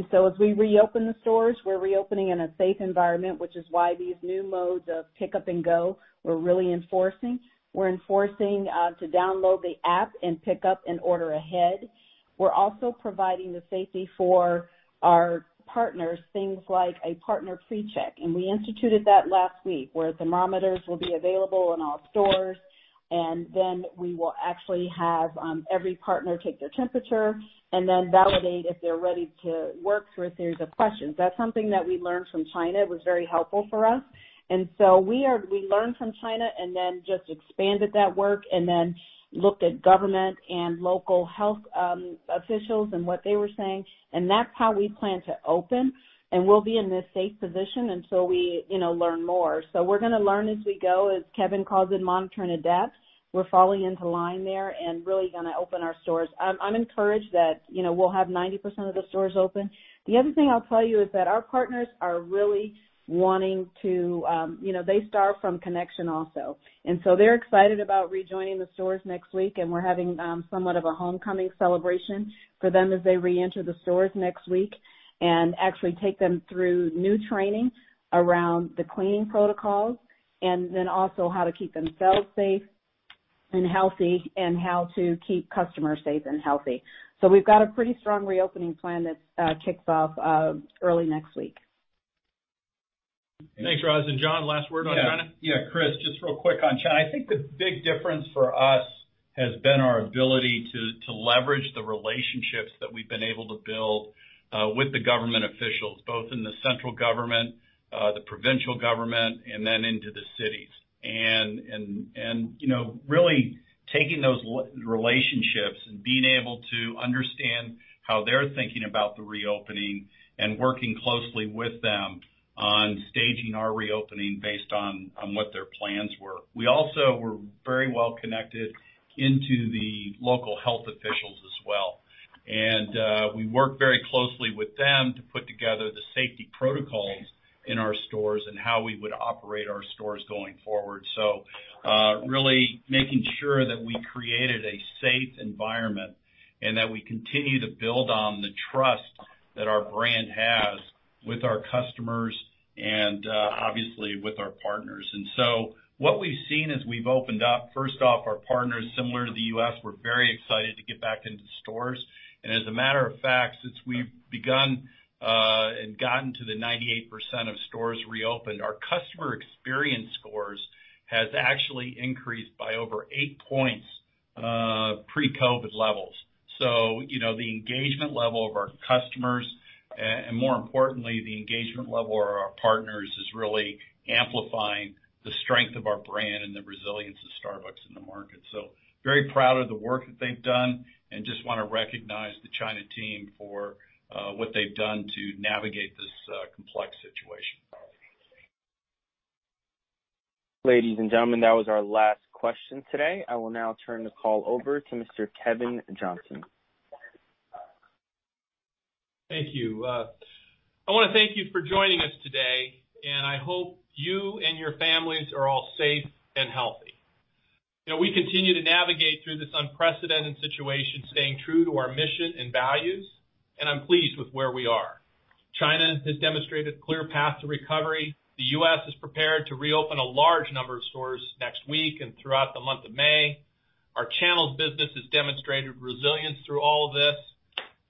As we reopen the stores, we're reopening in a safe environment, which is why these new modes of pick up and go, we're really enforcing. We're enforcing to download the app and pick up and order ahead. We're also providing the safety for our partners, things like a partner pre-check. We instituted that last week, where thermometers will be available in all stores, and then we will actually have every partner take their temperature and then validate if they're ready to work through a series of questions. That's something that we learned from China. It was very helpful for us. We learned from China and then just expanded that work and then looked at government and local health officials and what they were saying. That's how we plan to open. We'll be in this safe position until we learn more. We're going to learn as we go, as Kevin calls it, monitor and adapt. We're falling into line there and really going to open our stores. I'm encouraged that we'll have 90% of the stores open. The other thing I'll tell you is that our partners are really wanting to, they starve from connection also. They're excited about rejoining the stores next week, and we're having somewhat of a homecoming celebration for them as they reenter the stores next week and actually take them through new training around the cleaning protocols, and then also how to keep themselves safe and healthy and how to keep customers safe and healthy. We've got a pretty strong reopening plan that kicks off early next week. Thanks, Roz. John, last word on China? Yeah. Chris, just real quick on China. I think the big difference for us has been our ability to leverage the relationships that we've been able to build with the government officials, both in the central government, the provincial government, and then into the cities. Really taking those relationships and being able to understand how they're thinking about the reopening and working closely with them on staging our reopening based on what their plans were. We also were very well connected into the local health officials as well. And we worked very closely with them to put together the safety protocols in our stores and how we would operate our stores going forward. So, really making sure that we created a safe environment and that we continue to build on the trust that our brand has with our customers and obviously with our partners. What we've seen as we've opened up, first off, our partners, similar to the U.S., were very excited to get back into the stores. As a matter of fact, since we've begun and gotten to the 98% of stores reopened, our customer experience scores has actually increased by over eight points pre-COVID-19 levels. The engagement level of our customers, and more importantly, the engagement level of our partners, is really amplifying the strength of our brand and the resilience of Starbucks in the market. We are very proud of the work that they've done and just want to recognize the China team for what they've done to navigate this complex situation. Ladies and gentlemen, that was our last question today. I will now turn the call over to Mr. Kevin Johnson. Thank you. I want to thank you for joining us today, and I hope you and your families are all safe and healthy. We continue to navigate through this unprecedented situation, staying true to our mission and values, and I'm pleased with where we are. China has demonstrated clear path to recovery. The U.S. is prepared to reopen a large number of stores next week and throughout the month of May. Our channels business has demonstrated resilience through all of this,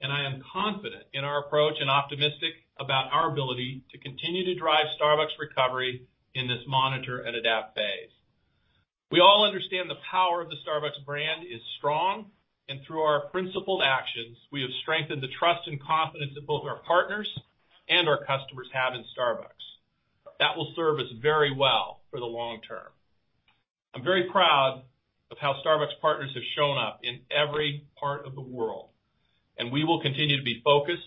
and I am confident in our approach and optimistic about our ability to continue to drive Starbucks recovery in this monitor and adapt phase. We all understand the power of the Starbucks brand is strong, and through our principled actions, we have strengthened the trust and confidence that both our partners and our customers have in Starbucks. That will serve us very well for the long term. I'm very proud of how Starbucks partners have shown up in every part of the world. We will continue to be focused,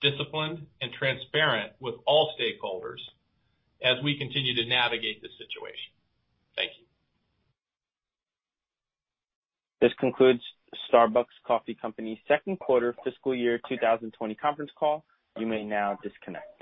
disciplined, and transparent with all stakeholders as we continue to navigate this situation. Thank you. This concludes Starbucks Coffee Company second quarter fiscal year 2020 conference call. You may now disconnect.